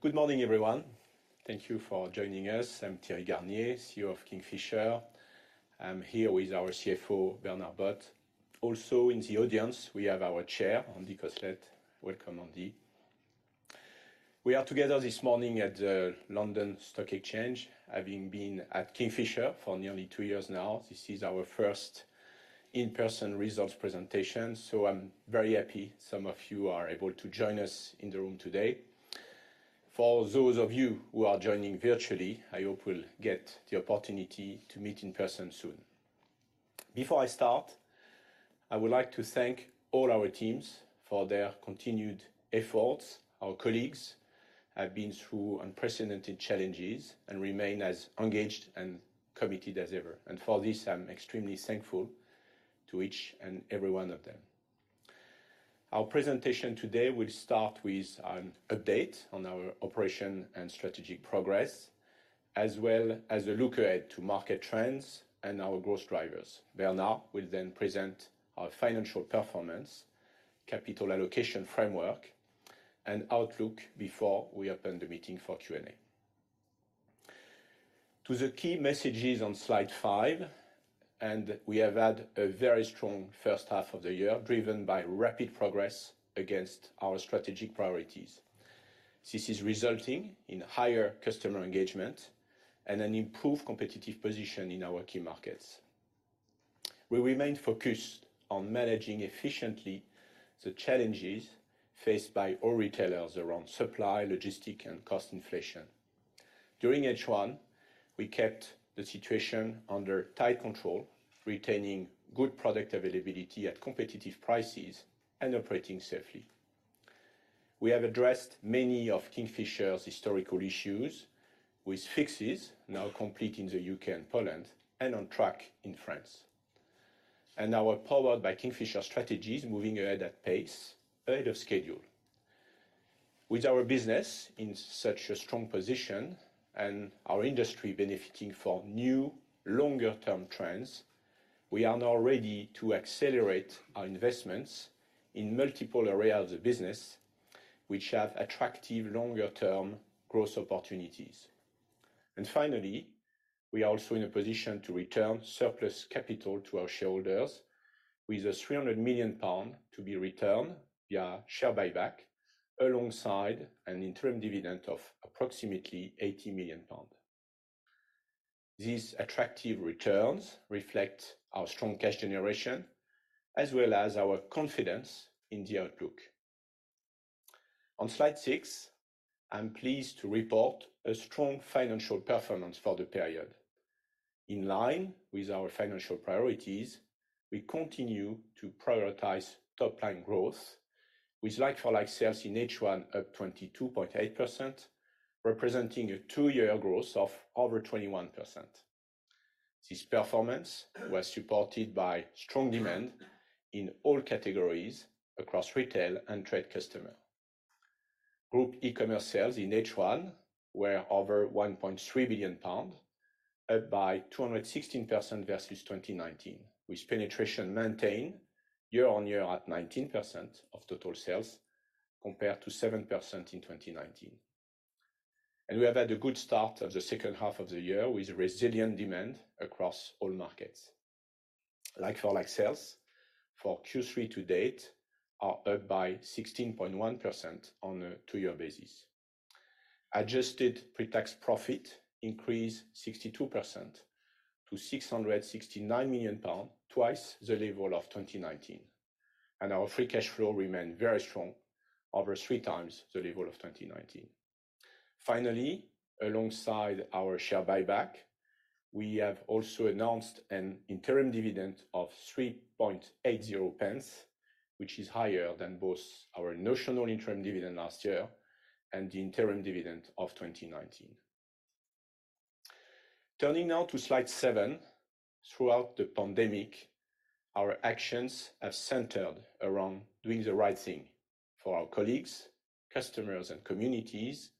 Good morning, everyone. Thank you for joining us. I'm Thierry Garnier, CEO of Kingfisher. I'm here with our CFO, Bernard Bot. Also, in the audience, we have our Chair, Andy Cosslett. Welcome, Andy. We are together this morning at the London Stock Exchange. Having been at Kingfisher for nearly two years now, this is our first in-person results presentation, I'm very happy some of you are able to join us in the room today. For those of you who are joining virtually, I hope we'll get the opportunity to meet in person soon. Before I start, I would like to thank all our teams for their continued efforts. Our colleagues have been through unprecedented challenges and remain as engaged and committed as ever, for this, I'm extremely thankful to each and every one of them. Our presentation today will start with an update on our operation and strategic progress, as well as a look ahead to market trends and our growth drivers. Bernard will present our financial performance, capital allocation framework, and outlook before we open the meeting for Q&A. To the key messages on slide five, and we have had a very strong first half of the year, driven by rapid progress against our strategic priorities. This is resulting in higher customer engagement and an improved competitive position in our key markets. We remain focused on managing efficiently the challenges faced by all retailers around supply, logistics, and cost inflation. During H1, we kept the situation under tight control, retaining good product availability at competitive prices and operating safely. We have addressed many of Kingfisher's historical issues with fixes now complete in the U.K. and Poland, and on track in France. Now we're powered by Kingfisher strategy is moving ahead at pace ahead of schedule. With our business in such a strong position and our industry benefiting from new longer-term trends, we are now ready to accelerate our investments in multiple areas of the business, which have attractive longer-term growth opportunities. Finally, we are also in a position to return surplus capital to our shareholders with a £300 million to be returned via share buyback alongside an interim dividend of approximately £80 million. These attractive returns reflect our strong cash generation as well as our confidence in the outlook. On slide six, I'm pleased to report a strong financial performance for the period. In line with our financial priorities, we continue to prioritize top-line growth with like-for-like sales in H1 up 22.8%, representing a two year growth of over 21%. This performance was supported by strong demand in all categories across retail and trade customer. Group e-commerce sales in H1 were over 1.3 billion pounds, up by 216% versus 2019, with penetration maintained year-on-year at 19% of total sales, compared to 7% in 2019. We have had a good start of the second half of the year with resilient demand across all markets. Like-for-like sales for Q3 to date are up by 16.1% on a two-year basis. Adjusted pre-tax profit increased 62% to 669 million pounds, twice the level of 2019, and our free cash flow remained very strong, over three times the level of 2019. Finally, alongside our share buyback, we have also announced an interim dividend of 0.0380, which is higher than both our notional interim dividend last year and the interim dividend of 2019. Turning now to slide 7, throughout the pandemic, our actions have centered around doing the right thing for our colleagues, customers, and communities,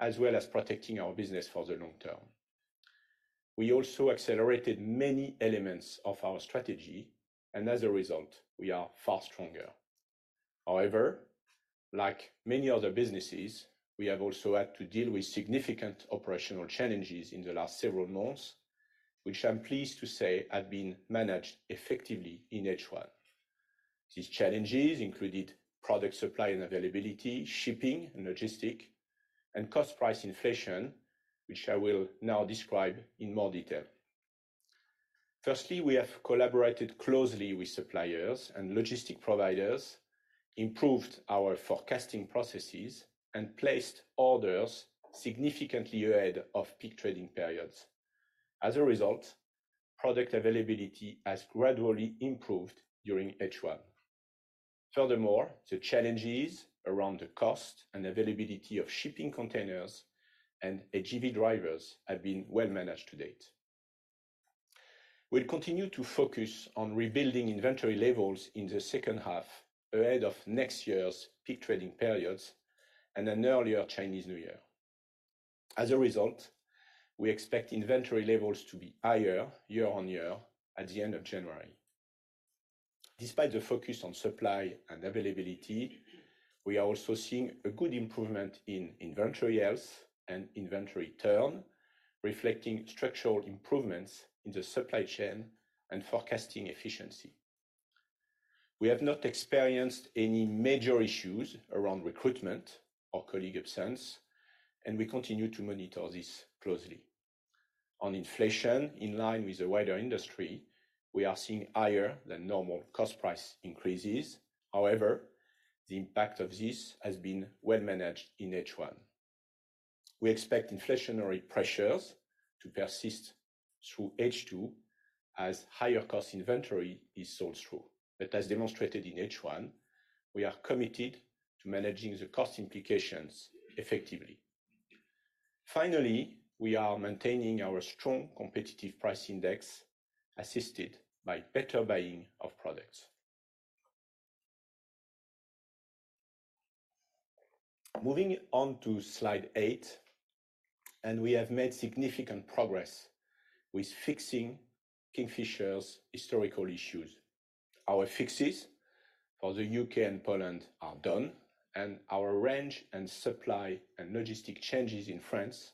as well as protecting our business for the long-term. As a result, we also accelerated many elements of our strategy, and we are far stronger. However, like many other businesses, we have also had to deal with significant operational challenges in the last several months, which I am pleased to say have been managed effectively in H1. These challenges included product supply and availability, shipping and logistics, and cost price inflation, which I will now describe in more detail. Firstly, we have collaborated closely with suppliers and logistics providers, improved our forecasting processes, and placed orders significantly ahead of peak trading periods. As a result, product availability has gradually improved during H1. The challenges around the cost and availability of shipping containers and HGV drivers have been well managed to date. We'll continue to focus on rebuilding inventory levels in the second half ahead of next year's peak trading periods and an earlier Chinese New Year. We expect inventory levels to be higher year-on-year at the end of January. Despite the focus on supply and availability, we are also seeing a good improvement in inventory health and inventory turn, reflecting structural improvements in the supply chain and forecasting efficiency. We have not experienced any major issues around recruitment or colleague absence, and we continue to monitor this closely. On inflation, in line with the wider industry, we are seeing higher than normal cost price increases. The impact of this has been well managed in H1. We expect inflationary pressures to persist through H2 as higher cost inventory is sold through. As demonstrated in H1, we are committed to managing the cost implications effectively. Finally, we are maintaining our strong competitive price index, assisted by better buying of products. Moving on to slide eight, we have made significant progress with fixing Kingfisher's historical issues. Our fixes for the U.K. and Poland are done, our range and supply and logistic changes in France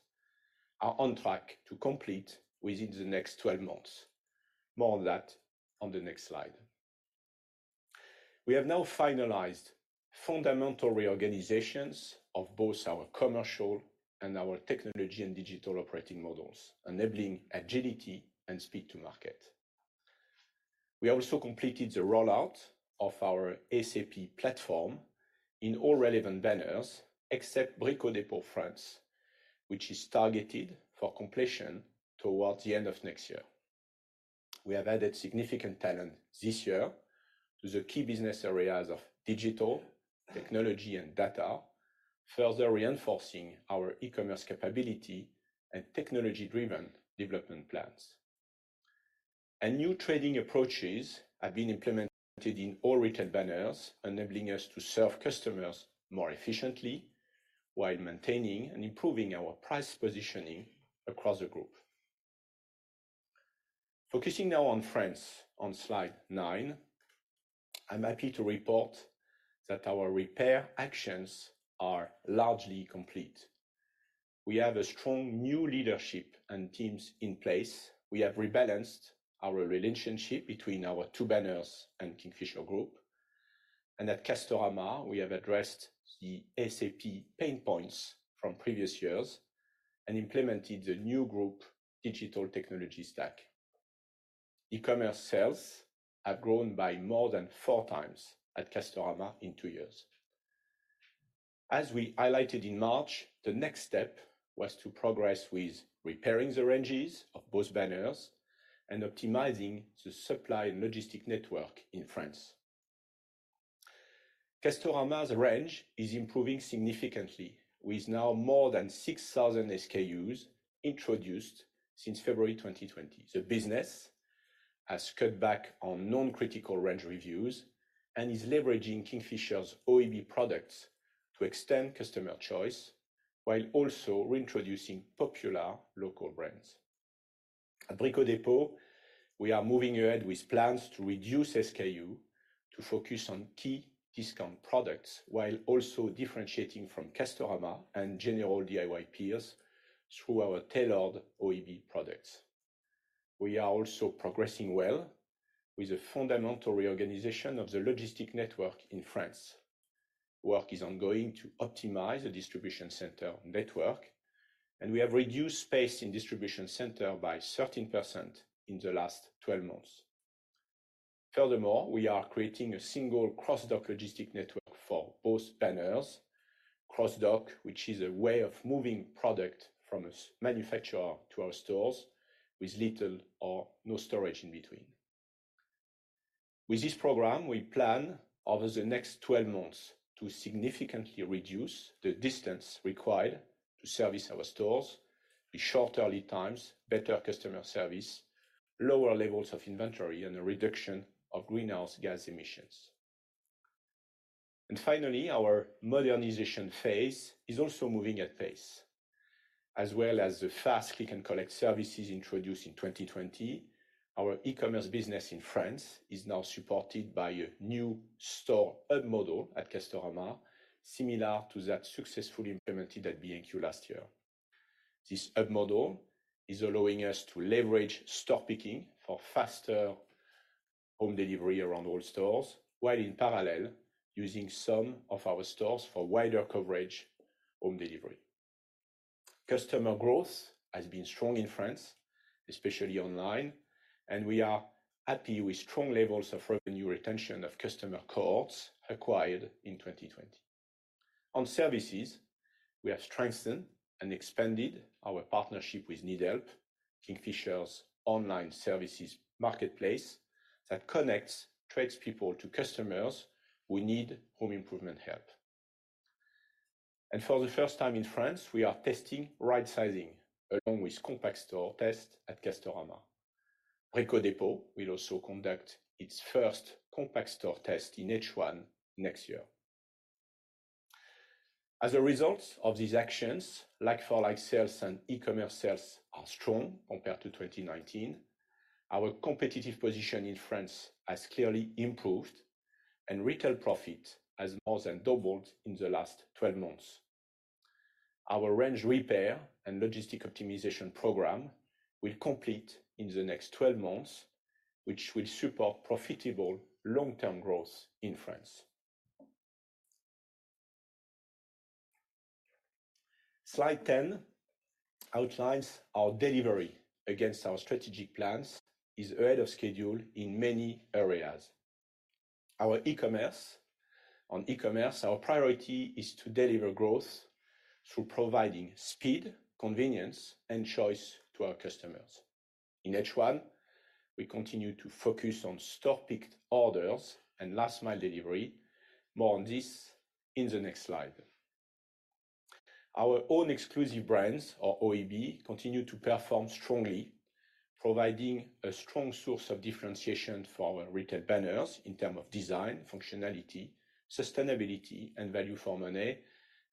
are on track to complete within the next 12 months. More on that on the next slide. We have now finalized fundamental reorganizations of both our commercial and our technology and digital operating models, enabling agility and speed to market. We also completed the rollout of our SAP platform in all relevant banners except Brico Dépôt France, which is targeted for completion towards the end of next year. We have added significant talent this year to the key business areas of digital, technology, and data, further reinforcing our e-commerce capability and technology-driven development plans. New trading approaches have been implemented in all retail banners, enabling us to serve customers more efficiently while maintaining and improving our price positioning across the group. Focusing now on France on Slide nine, I'm happy to report that our repair actions are largely complete. We have a strong new leadership and teams in place. We have rebalanced our relationship between our two banners and Kingfisher Group. At Castorama, we have addressed the SAP pain points from previous years and implemented the new group digital technology stack. E-commerce sales have grown by more than 4x at Castorama in two years. As we highlighted in March, the next step was to progress with repairing the ranges of both banners and optimizing the supply and logistic network in France. Castorama's range is improving significantly, with now more than 6,000 SKUs introduced since February 2020. The business has cut back on non-critical range reviews and is leveraging Kingfisher's OEB products to extend customer choice while also reintroducing popular local brands. At Brico Dépôt, we are moving ahead with plans to reduce SKU to focus on key discount products while also differentiating from Castorama and general DIY peers through our tailored OEB products. We are also progressing well with the fundamental reorganization of the logistic network in France. Work is ongoing to optimize the distribution center network, and we have reduced space in distribution center by 13% in the last 12 months. Furthermore, we are creating a single cross-dock logistic network for both banners. Cross-dock, which is a way of moving product from a manufacturer to our stores with little or no storage in between. With this program, we plan over the next 12 months to significantly reduce the distance required to service our stores with shorter lead times, better customer service, lower levels of inventory, and a reduction of greenhouse gas emissions. Finally, our modernization phase is also moving at pace. As well as the fast click and collect services introduced in 2020, our e-commerce business in France is now supported by a new store hub model at Castorama, similar to that successfully implemented at B&Q last year. This hub model is allowing us to leverage stock picking for faster home delivery around all stores, while in parallel, using some of our stores for wider coverage home delivery. Customer growth has been strong in France, especially online, and we are happy with strong levels of revenue retention of customer cohorts acquired in 2020. On services, we have strengthened and expanded our partnership with NeedHelp, Kingfisher's online services marketplace that connects tradespeople to customers who need home improvement help. For the first time in France, we are testing right sizing along with compact store test at Castorama. Brico Dépôt will also conduct its first compact store test in H1 next year. As a result of these actions, like-for-like sales and e-commerce sales are strong compared to 2019. Our competitive position in France has clearly improved, and retail profit has more than doubled in the last 12 months. Our range repair and logistic optimization program will complete in the next 12 months, which will support profitable long-term growth in France. Slide 10 outlines our delivery against our strategic plans is ahead of schedule in many areas. On e-commerce, our priority is to deliver growth through providing speed, convenience, and choice to our customers. In H1, we continued to focus on store-picked orders and last mile delivery. More on this in the next slide. Our own exclusive brands, or OEB, continued to perform strongly, providing a strong source of differentiation for our retail banners in term of design, functionality, sustainability, and value for money,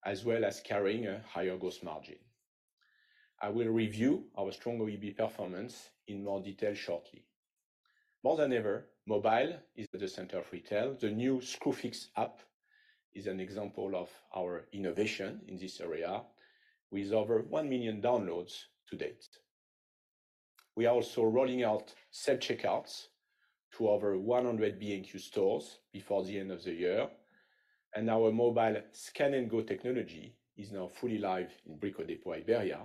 as well as carrying a higher gross margin. I will review our strong OEB performance in more detail shortly. More than ever, mobile is at the center of retail. The new Screwfix app is an example of our innovation in this area, with over 1 million downloads to date. We are also rolling out self-checkouts to over 100 B&Q stores before the end of the year, and our mobile Scan and Go technology is now fully live in Brico Dépôt Iberia,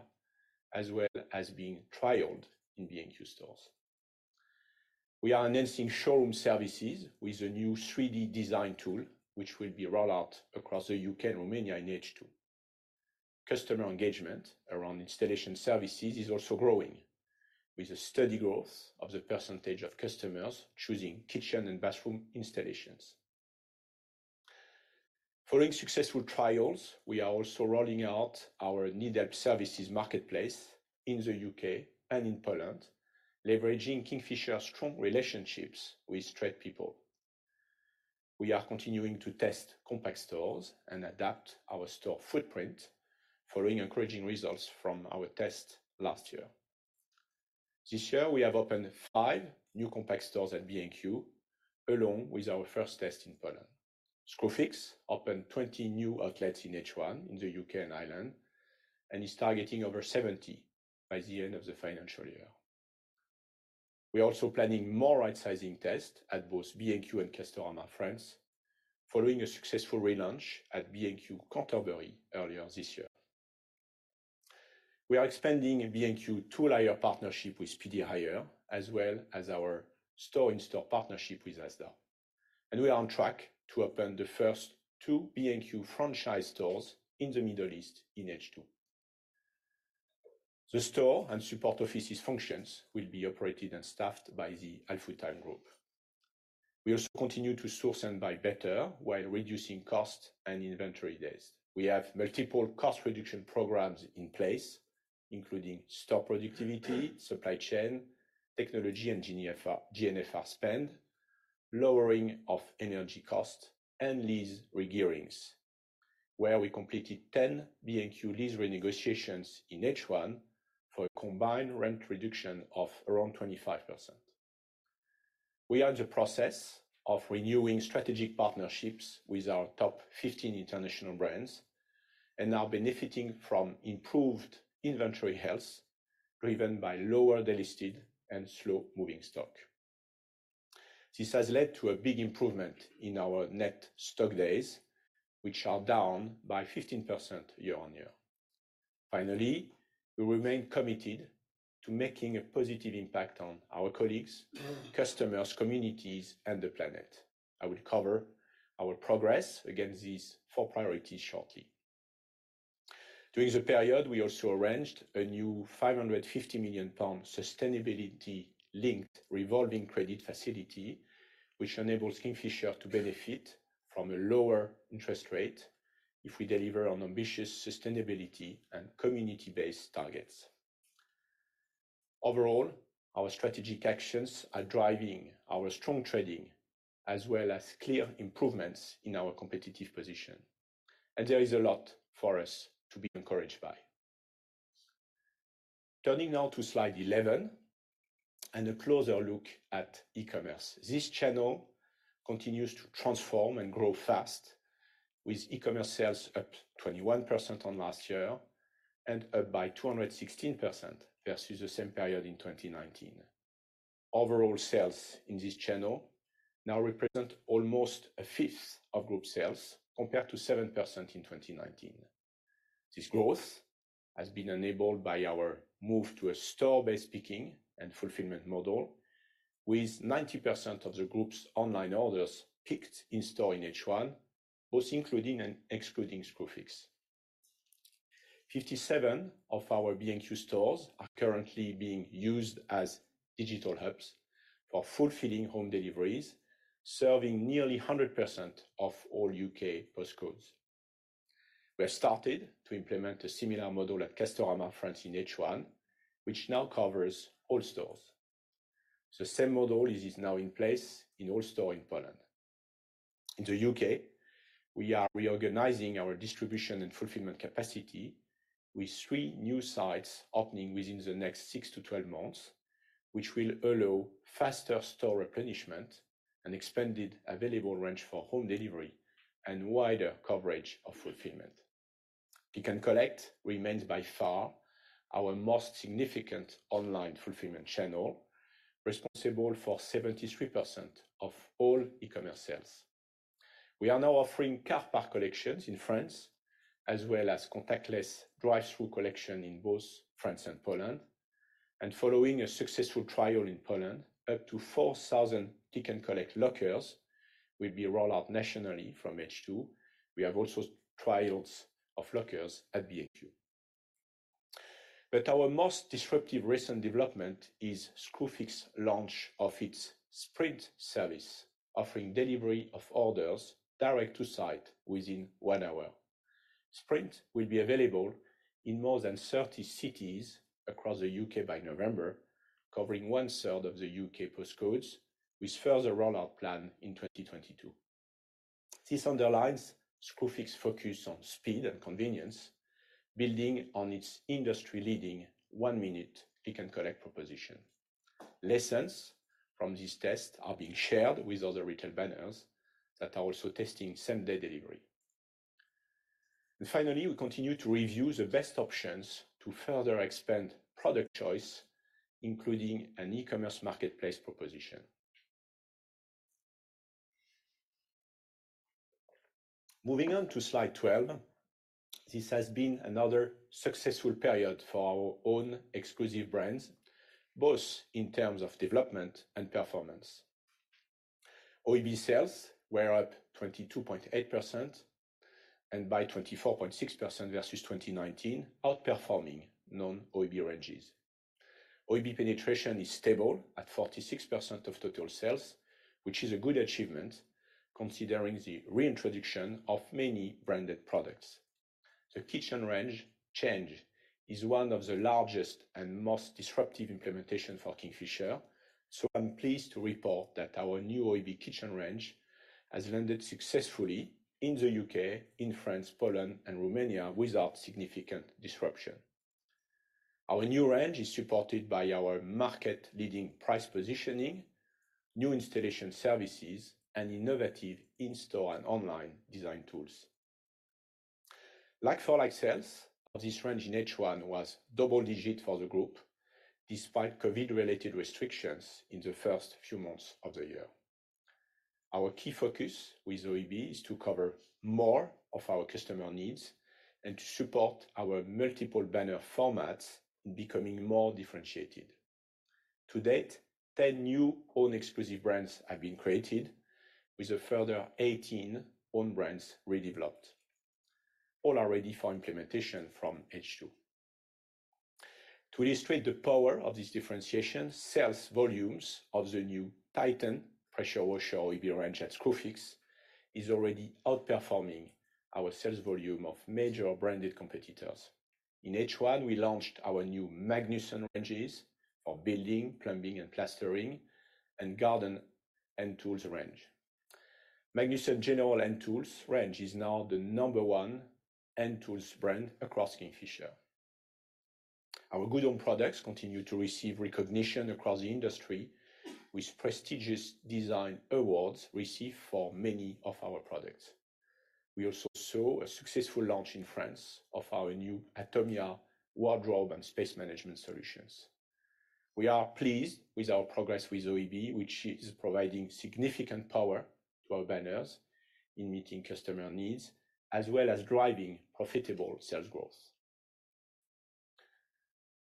as well as being trialed in B&Q stores. We are enhancing showroom services with a new 3D design tool, which will be rolled out across the U.K. and Romania in H2. Customer engagement around installation services is also growing, with a steady growth of the percentage of customers choosing kitchen and bathroom installations. Following successful trials, we are also rolling out our NeedHelp services marketplace in the U.K. and in Poland, leveraging Kingfisher's strong relationships with tradespeople. We are continuing to test compact stores and adapt our store footprint following encouraging results from our test last year. This year, we have opened 5 new compact stores at B&Q, along with our first test in Poland. Screwfix opened 20 new outlets in H1 in the U.K. and Ireland and is targeting over 70 by the end of the financial year. We're also planning more rightsizing tests at both B&Q and Castorama France following a successful relaunch at B&Q Canterbury earlier this year. We are expanding B&Q tool hire partnership with Speedy Hire, as well as our store-in-store partnership with Asda, and we are on track to open the first two B&Q franchise stores in the Middle East in H2. The store and support offices functions will be operated and staffed by the Al-Futtaim Group. We also continue to source and buy better while reducing cost and inventory days. We have multiple cost reduction programs in place, including store productivity, supply chain, technology and GNFR spend, lowering of energy costs, and lease regearings, where we completed 10 B&Q lease renegotiations in H1 for a combined rent reduction of around 25%. We are in the process of renewing strategic partnerships with our top 15 international brands and are benefiting from improved inventory health, driven by lower delisted and slow-moving stock. This has led to a big improvement in our net stock days, which are down by 15% year-on-year. Finally, we remain committed to making a positive impact on our colleagues, customers, communities, and the planet. I will cover our progress against these four priorities shortly. During the period, we also arranged a new £550 million sustainability-linked revolving credit facility, which enables Kingfisher to benefit from a lower interest rate if we deliver on ambitious sustainability and community-based targets. Overall, our strategic actions are driving our strong trading as well as clear improvements in our competitive position, and there is a lot for us to be encouraged by. Turning now to slide 11 and a closer look at e-commerce. This channel continues to transform and grow fast, with e-commerce sales up 21% on last year and up by 216% versus the same period in 2019. Overall sales in this channel now represent almost a fifth of group sales, compared to 7% in 2019. This growth has been enabled by our move to a store-based picking and fulfillment model, with 90% of the group's online orders picked in-store in H1, both including and excluding Screwfix. 57 of our B&Q stores are currently being used as digital hubs for fulfilling home deliveries, serving nearly 100% of all U.K. postcodes. We have started to implement a similar model at Castorama France in H1, which now covers all stores. The same model is now in place in all stores in Poland. In the U.K., we are reorganizing our distribution and fulfillment capacity with three new sites opening within the next six-12 months, which will allow faster store replenishment and expanded available range for home delivery and wider coverage of fulfillment. Click and collect remains by far our most significant online fulfillment channel, responsible for 73% of all e-commerce sales. We are now offering car park collections in France, as well as contactless drive-through collection in both France and Poland. Following a successful trial in Poland, up to 4,000 click and collect lockers will be rolled out nationally from H2. We have also trials of lockers at B&Q. Our most disruptive recent development is Screwfix launch of its Sprint service, offering delivery of orders direct to site within one hour. Sprint will be available in more than 30 cities across the U.K. by November, covering one third of the U.K. postcodes, with further rollout plan in 2022. This underlines Screwfix focus on speed and convenience, building on its industry-leading one minute click and collect proposition. Lessons from this test are being shared with other retail banners that are also testing same-day delivery. Finally, we continue to review the best options to further expand product choice, including an e-commerce marketplace proposition. Moving on to slide 12. This has been another successful period for our own exclusive brands, both in terms of development and performance. OEB sales were up 22.8% and by 24.6% versus 2019, outperforming non-OEB ranges. OEB penetration is stable at 46% of total sales, which is a good achievement considering the reintroduction of many branded products. The kitchen range change is one of the largest and most disruptive implementation for Kingfisher. I'm pleased to report that our new OEB kitchen range has landed successfully in the U.K., in France, Poland and Romania without significant disruption. Our new range is supported by our market-leading price positioning, new installation services, and innovative in-store and online design tools. Like-for-like sales of this range in H1 was double-digit for the group, despite COVID-related restrictions in the first few months of the year. Our key focus with OEB is to cover more of our customer needs and to support our multiple banner formats in becoming more differentiated. To date, 10 new own exclusive brands have been created with a further 18 own brands redeveloped. All are ready for implementation from H2. To illustrate the power of this differentiation, sales volumes of the new Titan pressure washer OEB range at Screwfix is already outperforming our sales volume of major branded competitors. In H1, we launched our new Magnusson ranges for building, plumbing and plastering and garden hand tools range. Magnusson general hand tools range is now the number one hand tools brand across Kingfisher. Our GoodHome products continue to receive recognition across the industry with prestigious design awards received for many of our products. We also saw a successful launch in France of our new Atomia wardrobe and space management solutions. We are pleased with our progress with OEB, which is providing significant power to our banners in meeting customer needs as well as driving profitable sales growth.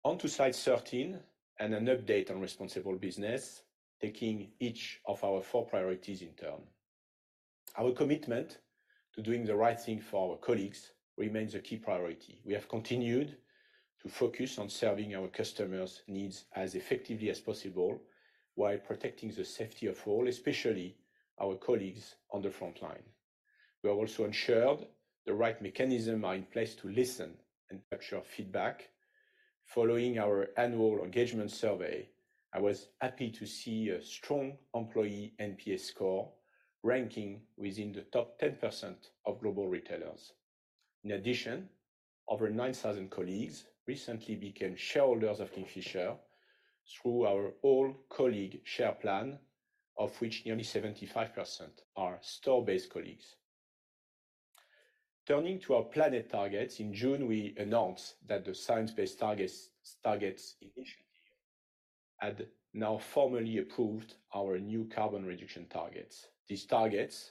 On to slide 13 and an update on responsible business, taking each of our four priorities in turn. Our commitment to doing the right thing for our colleagues remains a key priority. We have continued to focus on serving our customers' needs as effectively as possible while protecting the safety of all, especially our colleagues on the frontline. We have also ensured the right mechanism are in place to listen and capture feedback. Following our annual engagement survey, I was happy to see a strong employee NPS score ranking within the top 10% of global retailers. In addition, over 9,000 colleagues recently became shareholders of Kingfisher through our All Colleague Share Plan, of which nearly 75% are store-based colleagues. Turning to our planet targets, in June, we announced that the Science Based Targets initiative had now formally approved our new carbon reduction targets. These targets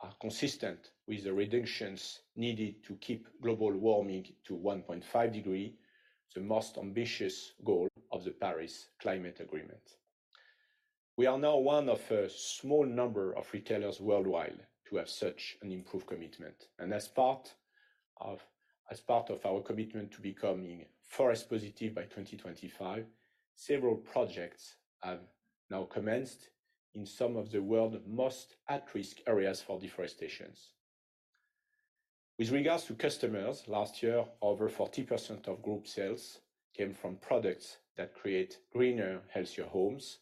are consistent with the reductions needed to keep global warming to 1.5 degrees, the most ambitious goal of the Paris Agreement. We are now one of a small number of retailers worldwide to have such an improved commitment. As part of our commitment to becoming forest positive by 2025, several projects have now commenced in some of the world's most at-risk areas for deforestation. With regards to customers, last year, over 40% of group sales came from products that create greener, healthier homes.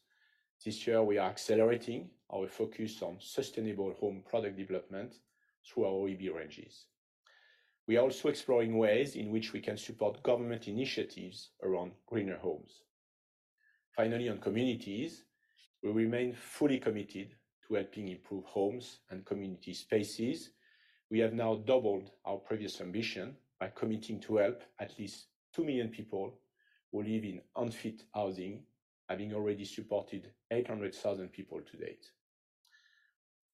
This year, we are accelerating our focus on sustainable home product development through our OEB ranges. We are also exploring ways in which we can support government initiatives around greener homes. Finally, on communities, we remain fully committed to helping improve homes and community spaces. We have now doubled our previous ambition by committing to help at least 2 million people who live in unfit housing, having already supported 800,000 people to date.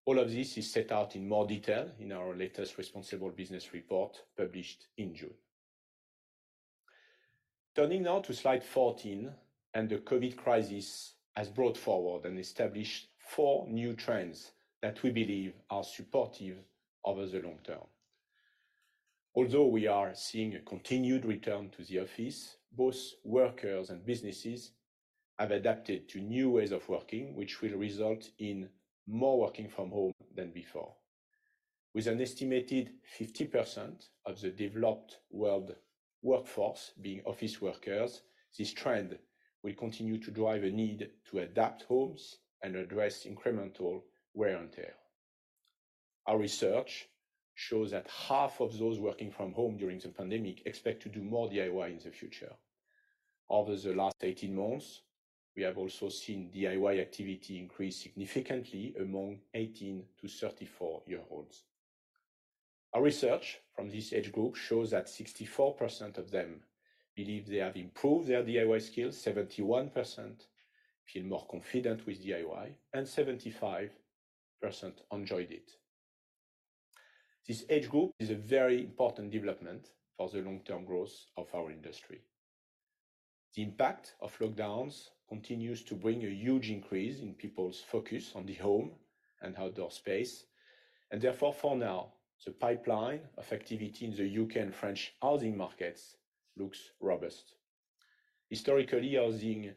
All of this is set out in more detail in our latest Responsible Business Report, published in June. Turning now to slide 14, the COVID crisis has brought forward and established four new trends that we believe are supportive over the long-term. Although we are seeing a continued return to the office, both workers and businesses have adapted to new ways of working, which will result in more working from home than before. With an estimated 50% of the developed world workforce being office workers, this trend will continue to drive a need to adapt homes and address incremental wear and tear. Our research shows that half of those working from home during the pandemic expect to do more DIY in the future. Over the last 18 months, we have also seen DIY activity increase significantly among 18-34-year-olds. Our research from this age group shows that 64% of them believe they have improved their DIY skills, 71% feel more confident with DIY, and 75% enjoyed it. This age group is a very important development for the long-term growth of our industry. Therefore, for now, the pipeline of activity in the U.K. and French housing markets looks robust. Historically, housing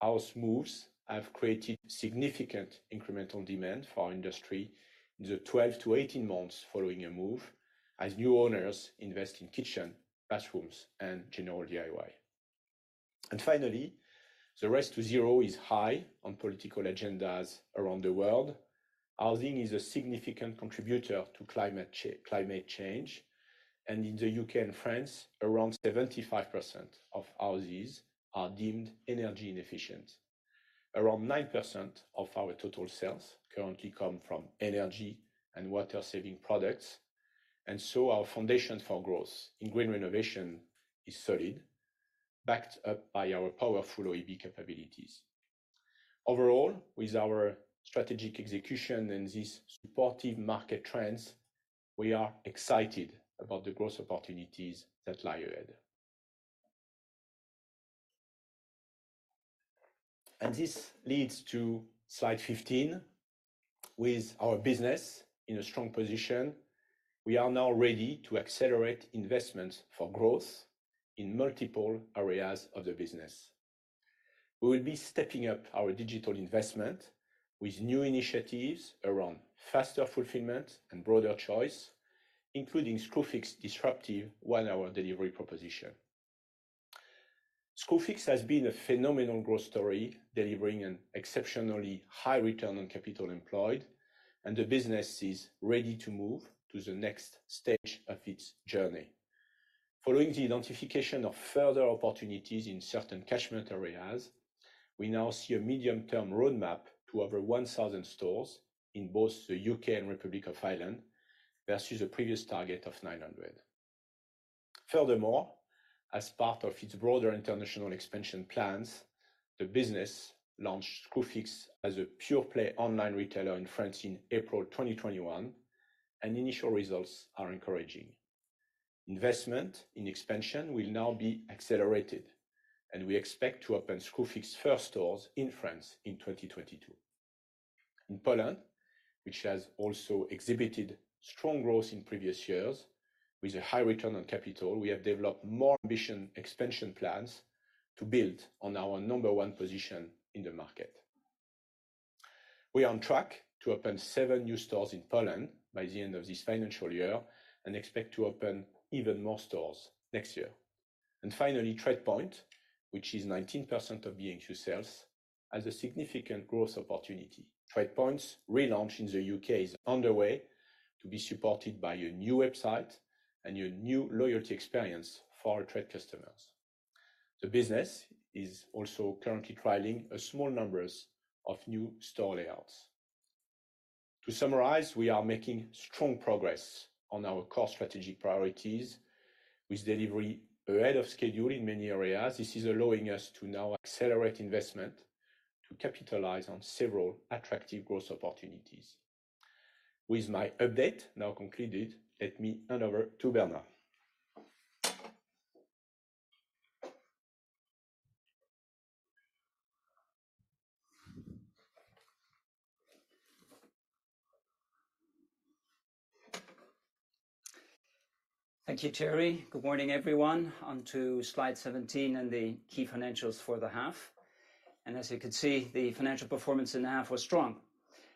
house moves have created significant incremental demand for our industry in the 12-18 months following a move as new owners invest in kitchen, bathrooms, and general DIY. The race to zero is high on political agendas around the world. Housing is a significant contributor to climate change, and in the U.K. and France, around 75% of houses are deemed energy inefficient. Around 9% of our total sales currently come from energy and water-saving products, our foundation for growth in green renovation is solid, backed up by our powerful OEB capabilities. With our strategic execution and these supportive market trends, we are excited about the growth opportunities that lie ahead. This leads to slide 15. With our business in a strong position, we are now ready to accelerate investments for growth in multiple areas of the business. We will be stepping up our digital investment with new initiatives around faster fulfillment and broader choice, including Screwfix disruptive one hour delivery proposition. Screwfix has been a phenomenal growth story, delivering an exceptionally high return on capital employed, and the business is ready to move to the next stage of its journey. Following the identification of further opportunities in certain catchment areas, we now see a medium-term roadmap to over 1,000 stores in both the U.K. and Republic of Ireland, versus a previous target of 900. Furthermore, as part of its broader international expansion plans, the business launched Screwfix as a pure-play online retailer in France in April 2021, and initial results are encouraging. Investment in expansion will now be accelerated, and we expect to open Screwfix first stores in France in 2022. In Poland, which has also exhibited strong growth in previous years with a high return on capital, we have developed more ambition expansion plans to build on our number one position in the market. We are on track to open seven new stores in Poland by the end of this financial year and expect to open even more stores next year. Finally, TradePoint, which is 19% of B&Q's sales, has a significant growth opportunity. TradePoint's relaunch in the U.K. is underway to be supported by a new website and a new loyalty experience for our trade customers. The business is also currently trialing a small number of new store layouts. To summarize, we are making strong progress on our core strategy priorities with delivery ahead of schedule in many areas. This is allowing us to now accelerate investment to capitalize on several attractive growth opportunities. With my update now concluded, let me hand over to Bernard. Thank you, Thierry. Good morning, everyone. On to slide 17 and the key financials for the half. As you can see, the financial performance in the half was strong.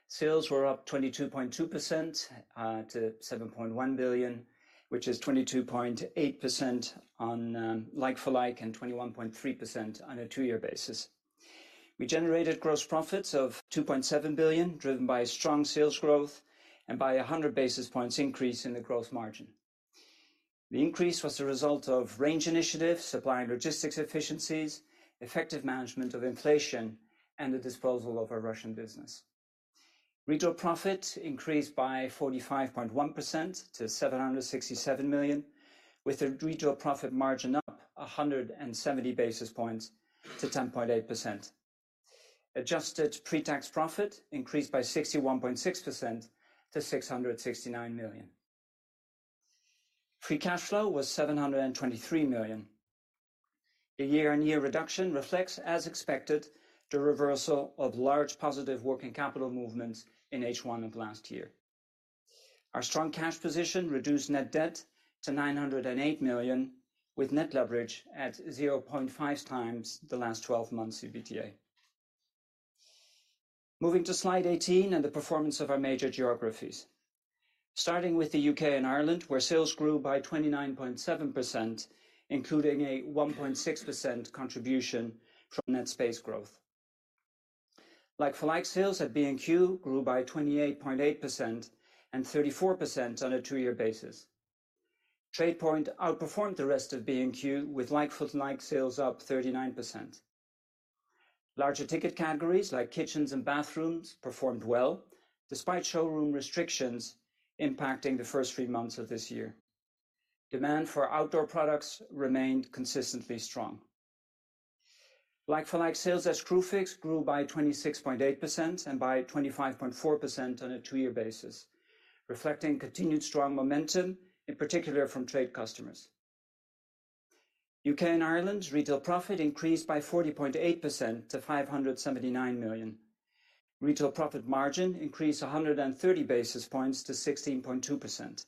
Sales were up 22.2% to 7.1 billion, which is 22.8% on like-for-like and 21.3% on a two year basis. We generated gross profits of 2.7 billion, driven by strong sales growth and by 100 basis points increase in the gross margin. The increase was the result of range initiatives, supply and logistics efficiencies, effective management of inflation, and the disposal of our Russian business. Retail profit increased by 45.1% to 767 million, with the retail profit margin up 170 basis points to 10.8%. Adjusted pre-tax profit increased by 61.6% to 669 million. Free cash flow was 723 million. The year-on-year reduction reflects, as expected, the reversal of large positive working capital movements in H1 of last year. Our strong cash position reduced net debt to 908 million, with net leverage at 0.5x the last 12 months EBITDA. Moving to slide 18 and the performance of our major geographies. Starting with the U.K. and Ireland, where sales grew by 29.7%, including a 1.6% contribution from net space growth. Like-for-like sales at B&Q grew by 28.8% and 34% on a two-year basis. TradePoint outperformed the rest of B&Q with like-for-like sales up 39%. Larger ticket categories like kitchens and bathrooms performed well, despite showroom restrictions impacting the first three months of this year. Demand for outdoor products remained consistently strong. Like-for-like sales at Screwfix grew by 26.8% and by 25.4% on a two-year basis, reflecting continued strong momentum, in particular from trade customers. U.K. and Ireland retail profit increased by 40.8% to 579 million. Retail profit margin increased 130 basis points to 16.2%.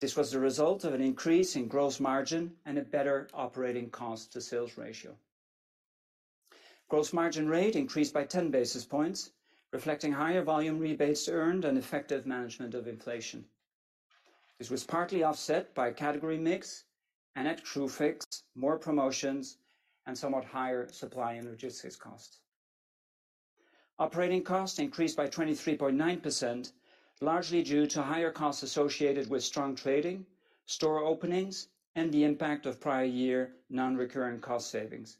This was the result of an increase in gross margin and a better operating cost to sales ratio. Gross margin rate increased by 10 basis points, reflecting higher volume rebates earned and effective management of inflation. This was partly offset by category mix and at Screwfix, more promotions and somewhat higher supply and logistics costs. Operating costs increased by 23.9%, largely due to higher costs associated with strong trading, store openings, and the impact of prior year non-recurring cost savings.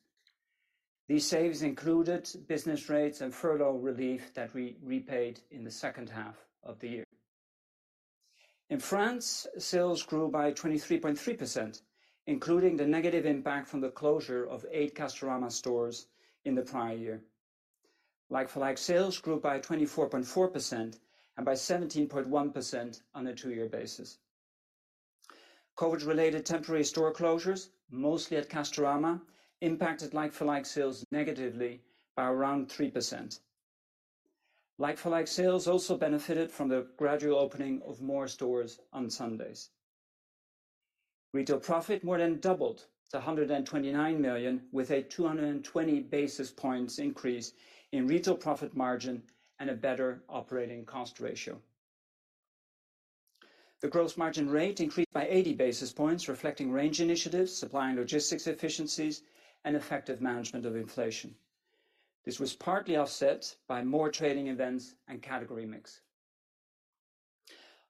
These savings included business rates and furlough relief that we repaid in the second half of the year. In France, sales grew by 23.3%, including the negative impact from the closure of eight Castorama stores in the prior year. Like-for-like sales grew by 24.4% and by 17.1% on a two-year basis. COVID-related temporary store closures, mostly at Castorama, impacted like-for-like sales negatively by around 3%. Like-for-like sales also benefited from the gradual opening of more stores on Sundays. Retail profit more than doubled to 129 million, with a 220 basis points increase in retail profit margin and a better operating cost ratio. The gross margin rate increased by 80 basis points, reflecting range initiatives, supply and logistics efficiencies, and effective management of inflation. This was partly offset by more trading events and category mix.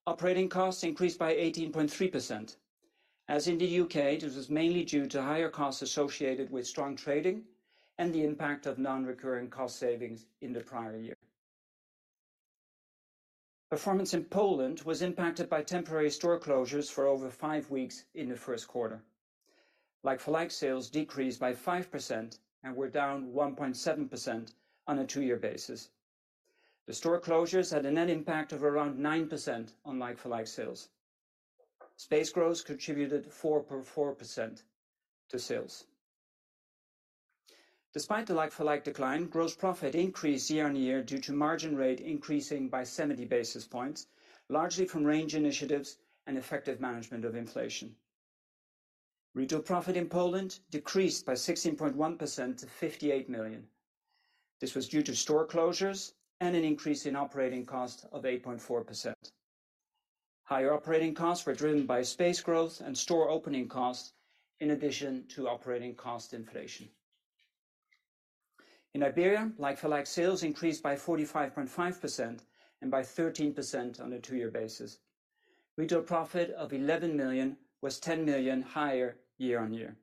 Operating costs increased by 18.3%. As in the U.K., this was mainly due to higher costs associated with strong trading and the impact of non-recurring cost savings in the prior year. Performance in Poland was impacted by temporary store closures for over five weeks in the first quarter. Like-for-like sales decreased by 5% and were down 1.7% on a two-year basis. The store closures had a net impact of around 9% on like-for-like sales. Space growth contributed 4.4% to sales. Despite the like-for-like decline, gross profit increased year-on-year due to margin rate increasing by 70 basis points, largely from range initiatives and effective management of inflation. Retail profit in Poland decreased by 16.1% to 58 million. This was due to store closures and an increase in operating cost of 8.4%. Higher operating costs were driven by space growth and store opening costs in addition to operating cost inflation. In Iberia, like-for-like sales increased by 45.5% and by 13% on a two-year basis. Retail profit of 11 million was 10 million higher year-on-year.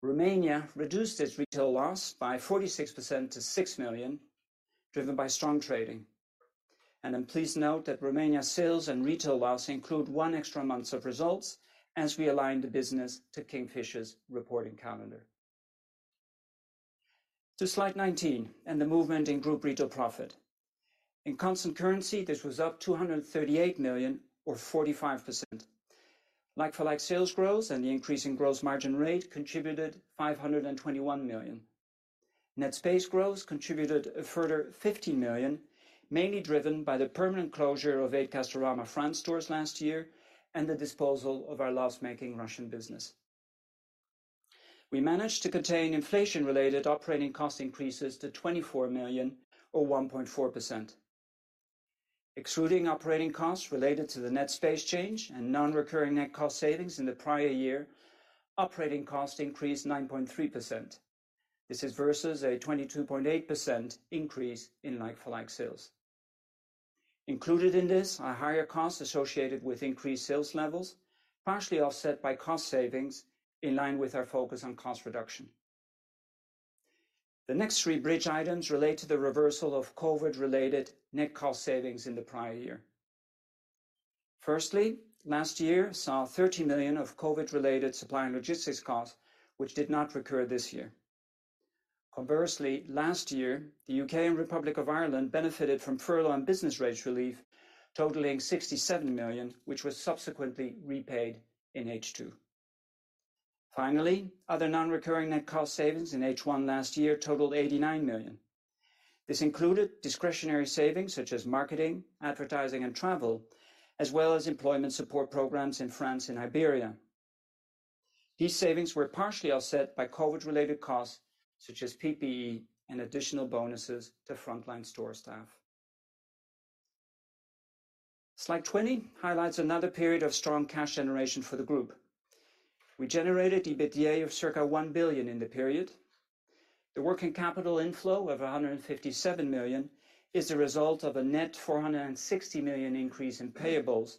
Romania reduced its retail loss by 46% to 6 million, driven by strong trading. Please note that Romania sales and retail loss include one extra month of results as we align the business to Kingfisher's reporting calendar. Slide 19 and the movement in Group retail profit. In constant currency, this was up 238 million or 45%. Like-for-like sales growth and the increase in gross margin rate contributed 521 million. Net space growth contributed a further 50 million, mainly driven by the permanent closure of eight Castorama France stores last year and the disposal of our loss-making Russian business. We managed to contain inflation related operating cost increases to 24 million or 1.4%. Excluding operating costs related to the net space change and non-recurring net cost savings in the prior year, operating costs increased 9.3%. This is versus a 22.8% increase in like-for-like sales. Included in this are higher costs associated with increased sales levels, partially offset by cost savings in line with our focus on cost reduction. The next three bridge items relate to the reversal of COVID related net cost savings in the prior year. Firstly, last year saw 30 million of COVID related supply and logistics costs, which did not recur this year. Conversely, last year, the U.K. and Republic of Ireland benefited from furlough and business rates relief totaling 67 million, which was subsequently repaid in H2. Finally, other non-recurring net cost savings in H1 last year totaled 89 million. This included discretionary savings such as marketing, advertising, and travel, as well as employment support programs in France and Iberia. These savings were partially offset by COVID related costs such as PPE and additional bonuses to frontline store staff. Slide 20 highlights another period of strong cash generation for the group. We generated EBITDA of circa 1 billion in the period. The working capital inflow of 157 million is the result of a net 460 million increase in payables,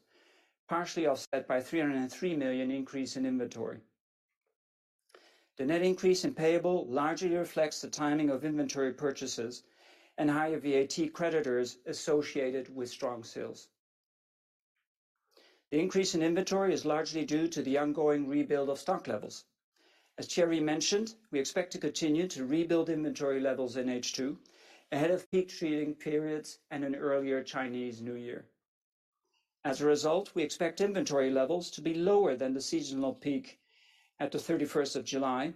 partially offset by 303 million increase in inventory. The net increase in payable largely reflects the timing of inventory purchases and higher VAT creditors associated with strong sales. The increase in inventory is largely due to the ongoing rebuild of stock levels. As Thierry mentioned, we expect to continue to rebuild inventory levels in H2, ahead of peak trading periods and an earlier Chinese New Year. As a result, we expect inventory levels to be lower than the seasonal peak at the 31st of July,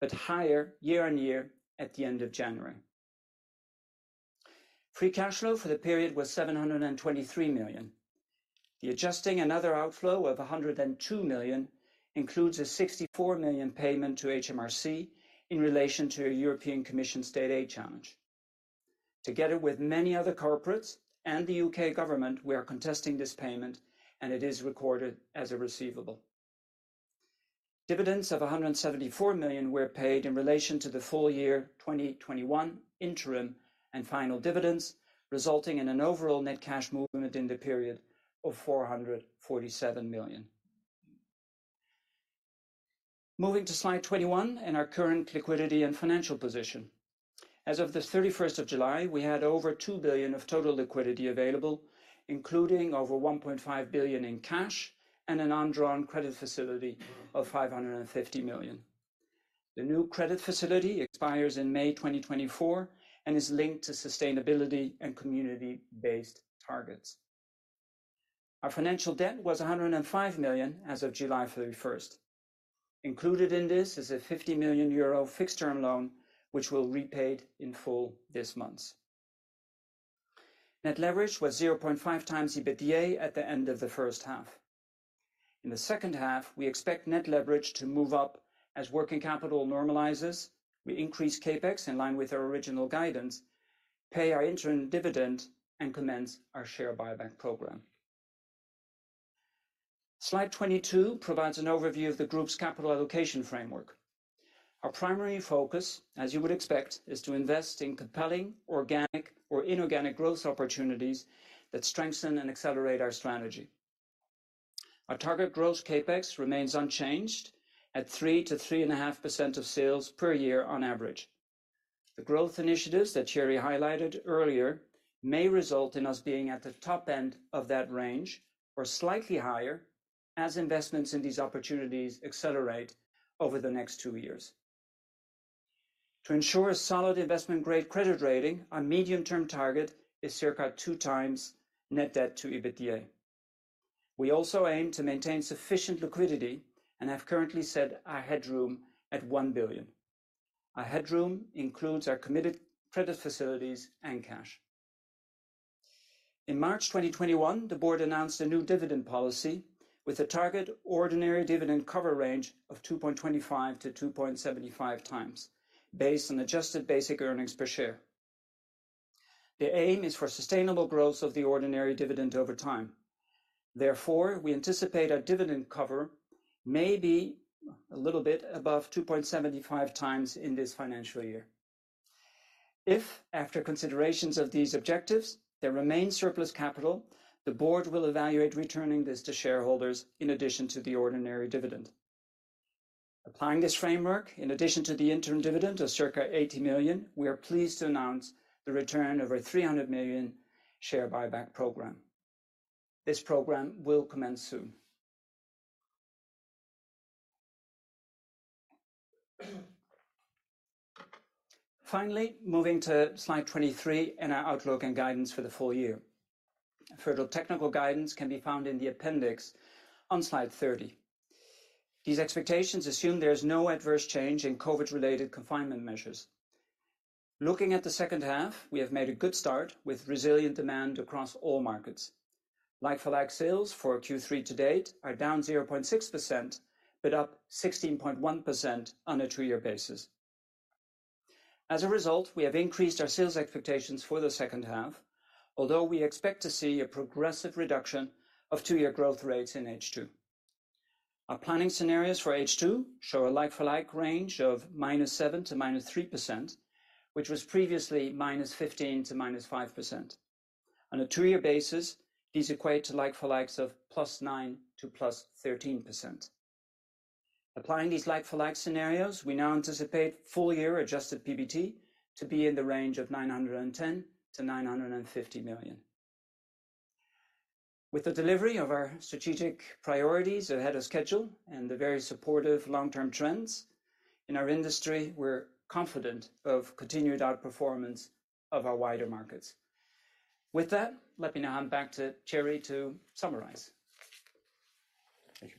but higher year-over-year at the end of January. Free cash flow for the period was 723 million. The adjusting and other outflow of 102 million includes a 64 million payment to HMRC in relation to a European Commission state aid challenge. Together with many other corporates and the U.K. government, we are contesting this payment, and it is recorded as a receivable. Dividends of 174 million were paid in relation to the full-year 2021 interim and final dividends, resulting in an overall net cash movement in the period of 447 million. Moving to slide 21 and our current liquidity and financial position. As of the 31st of July, we had over 2 billion of total liquidity available, including over 1.5 billion in cash and an undrawn credit facility of 550 million. The new credit facility expires in May 2024 and is linked to sustainability and community-based targets. Our financial debt was 105 million as of July 31st. Included in this is a 50 million euro fixed term loan, which we'll repay in full this month. Net leverage was 0.5 times EBITDA at the end of the first half. In the second half, we expect net leverage to move up as working capital normalizes, we increase CapEx in line with our original guidance, pay our interim dividend, and commence our share buyback program. Slide 22 provides an overview of the Group's capital allocation framework. Our primary focus, as you would expect, is to invest in compelling organic or inorganic growth opportunities that strengthen and accelerate our strategy. Our target growth CapEx remains unchanged at 3%-3.5% of sales per year on average. The growth initiatives that Thierry highlighted earlier may result in us being at the top end of that range or slightly higher as investments in these opportunities accelerate over the next two years. To ensure a solid investment grade credit rating, our medium-term target is circa 2x net debt to EBITDA. We also aim to maintain sufficient liquidity and have currently set our headroom at 1 billion. Our headroom includes our committed credit facilities and cash. In March 2021, the board announced a new dividend policy with a target ordinary dividend cover range of 2.25- 2.75 x based on adjusted basic earnings per share. The aim is for sustainable growth of the ordinary dividend over time. We anticipate our dividend cover may be a little bit above 2.75x in this financial year. If after considerations of these objectives there remains surplus capital, the board will evaluate returning this to shareholders in addition to the ordinary dividend. Applying this framework, in addition to the interim dividend of circa 80 million, we are pleased to announce the return of our 300 million share buyback program. This program will commence soon. Finally, moving to slide 23 and our outlook and guidance for the full-year. Further technical guidance can be found in the appendix on slide 30. These expectations assume there is no adverse change in COVID-related confinement measures. Looking at the second half, we have made a good start with resilient demand across all markets. Like-for-like sales for Q3 to date are down 0.6%, up 16.1% on a two-year basis. As a result, we have increased our sales expectations for the second half, although we expect to see a progressive reduction of two-year growth rates in H2. Our planning scenarios for H2 show a like-for-like range of -7% to -3%, which was previously -15% to -5%. On a two-year basis, these equate to like-for-likes of +9% to +13%. Applying these like-for-like scenarios, we now anticipate full-year adjusted PBT to be in the range of 910 million-950 million. With the delivery of our strategic priorities ahead of schedule and the very supportive long-term trends in our industry, we're confident of continued outperformance of our wider markets. With that, let me now hand back to Thierry to summarize. Thank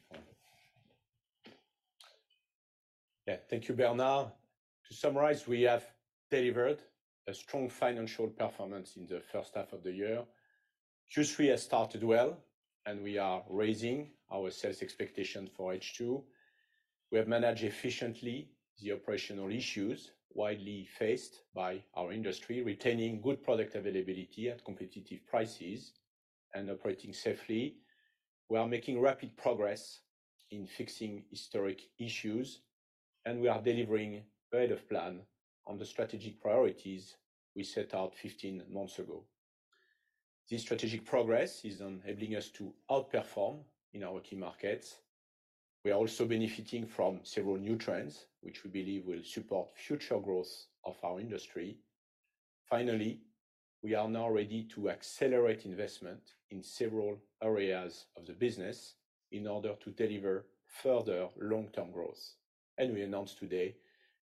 you, Bernard. To summarize, we have delivered a strong financial performance in the first half of the year. Q3 has started well, and we are raising our sales expectation for H2. We have managed efficiently the operational issues widely faced by our industry, retaining good product availability at competitive prices and operating safely. We are making rapid progress in fixing historic issues, and we are delivering ahead of plan on the strategic priorities we set out 15 months ago. This strategic progress is enabling us to outperform in our key markets. We are also benefiting from several new trends, which we believe will support future growth of our industry. Finally, we are now ready to accelerate investment in several areas of the business in order to deliver further long-term growth. We announced today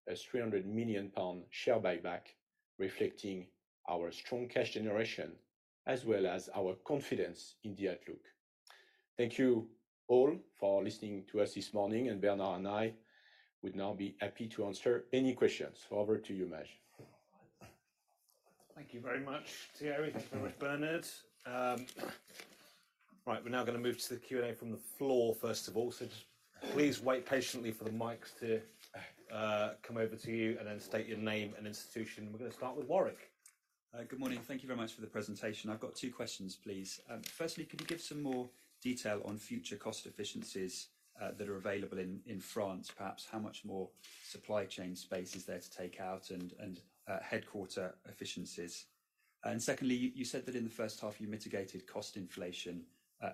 a 300 million pound share buyback, reflecting our strong cash generation as well as our confidence in the outlook. Thank you all for listening to us this morning, and Bernard and I would now be happy to answer any questions. Over to you, Maj. Thank you very much, Thierry. Thank you very much, Bernard. We're now going to move to the Q&A from the floor first of all, so just please wait patiently for the mics to come over to you and then state your name and institution. We're going to start with Warwick. Good morning. Thank you very much for the presentation. I've got two questions, please. Firstly, could you give some more detail on future cost efficiencies that are available in France, perhaps how much more supply chain space is there to take out and headquarter efficiencies? Secondly, you said that in the first half you mitigated cost inflation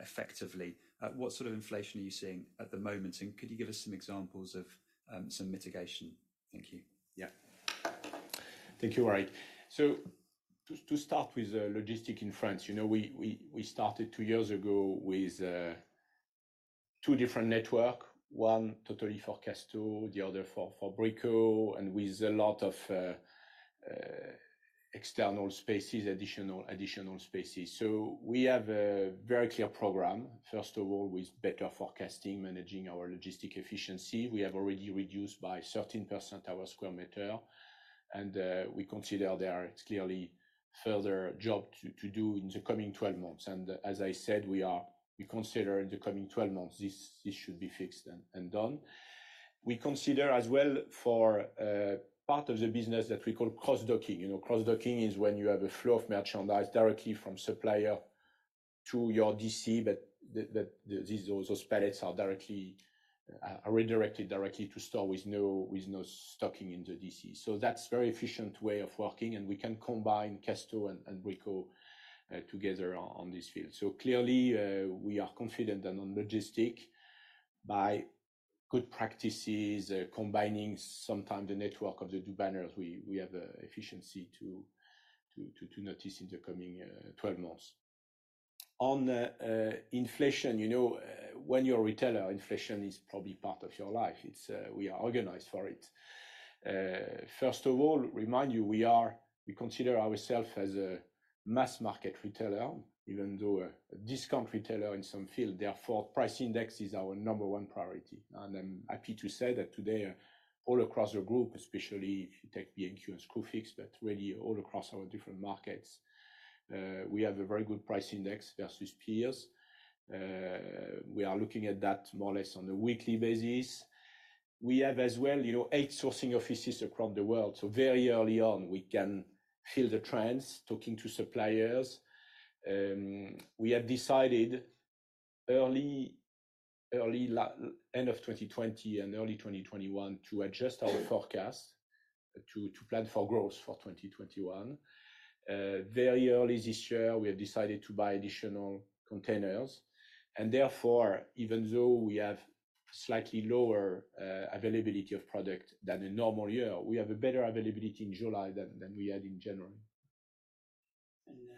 effectively. What sort of inflation are you seeing at the moment, and could you give us some examples of some mitigation? Thank you. Thank you, Warwick. To start with logistics in France, we started two years ago with two different networks, one totally for Casto, the other for Brico, with a lot of external spaces, additional spaces. We have a very clear program. First of all, with better forecasting, managing our logistics efficiency. We have already reduced by 13% our square meters, we consider there are clearly further jobs to do in the coming 12 months. As I said, we consider in the coming 12 months this should be fixed and done. We consider as well for part of the business that we call cross-docking. Cross-docking is when you have a flow of merchandise directly from supplier to your DC, those pallets are redirected directly to store with no stocking in the DC. That's very efficient way of working, and we can combine Casto and Brico together on this field. Clearly, we are confident that on logistic by good practices, combining sometime the network of the two banners, we have efficiency to notice in the coming 12 months. On inflation, when you're a retailer, inflation is probably part of your life. We are organized for it. First of all, remind you, we consider ourself as a mass market retailer, even though a discount retailer in some field, therefore price index is our number one priority. I'm happy to say that today all across the group, especially if you take B&Q and Screwfix, but really all across our different markets, we have a very good price index versus peers. We are looking at that more or less on a weekly basis. We have as well eight sourcing offices across the world. Very early on we can feel the trends, talking to suppliers. We have decided early end of 2020 and early 2021 to adjust our forecast to plan for growth for 2021. Very early this year, we have decided to buy additional containers and therefore, even though we have slightly lower availability of product than a normal year, we have a better availability in July than we had in January. Maybe,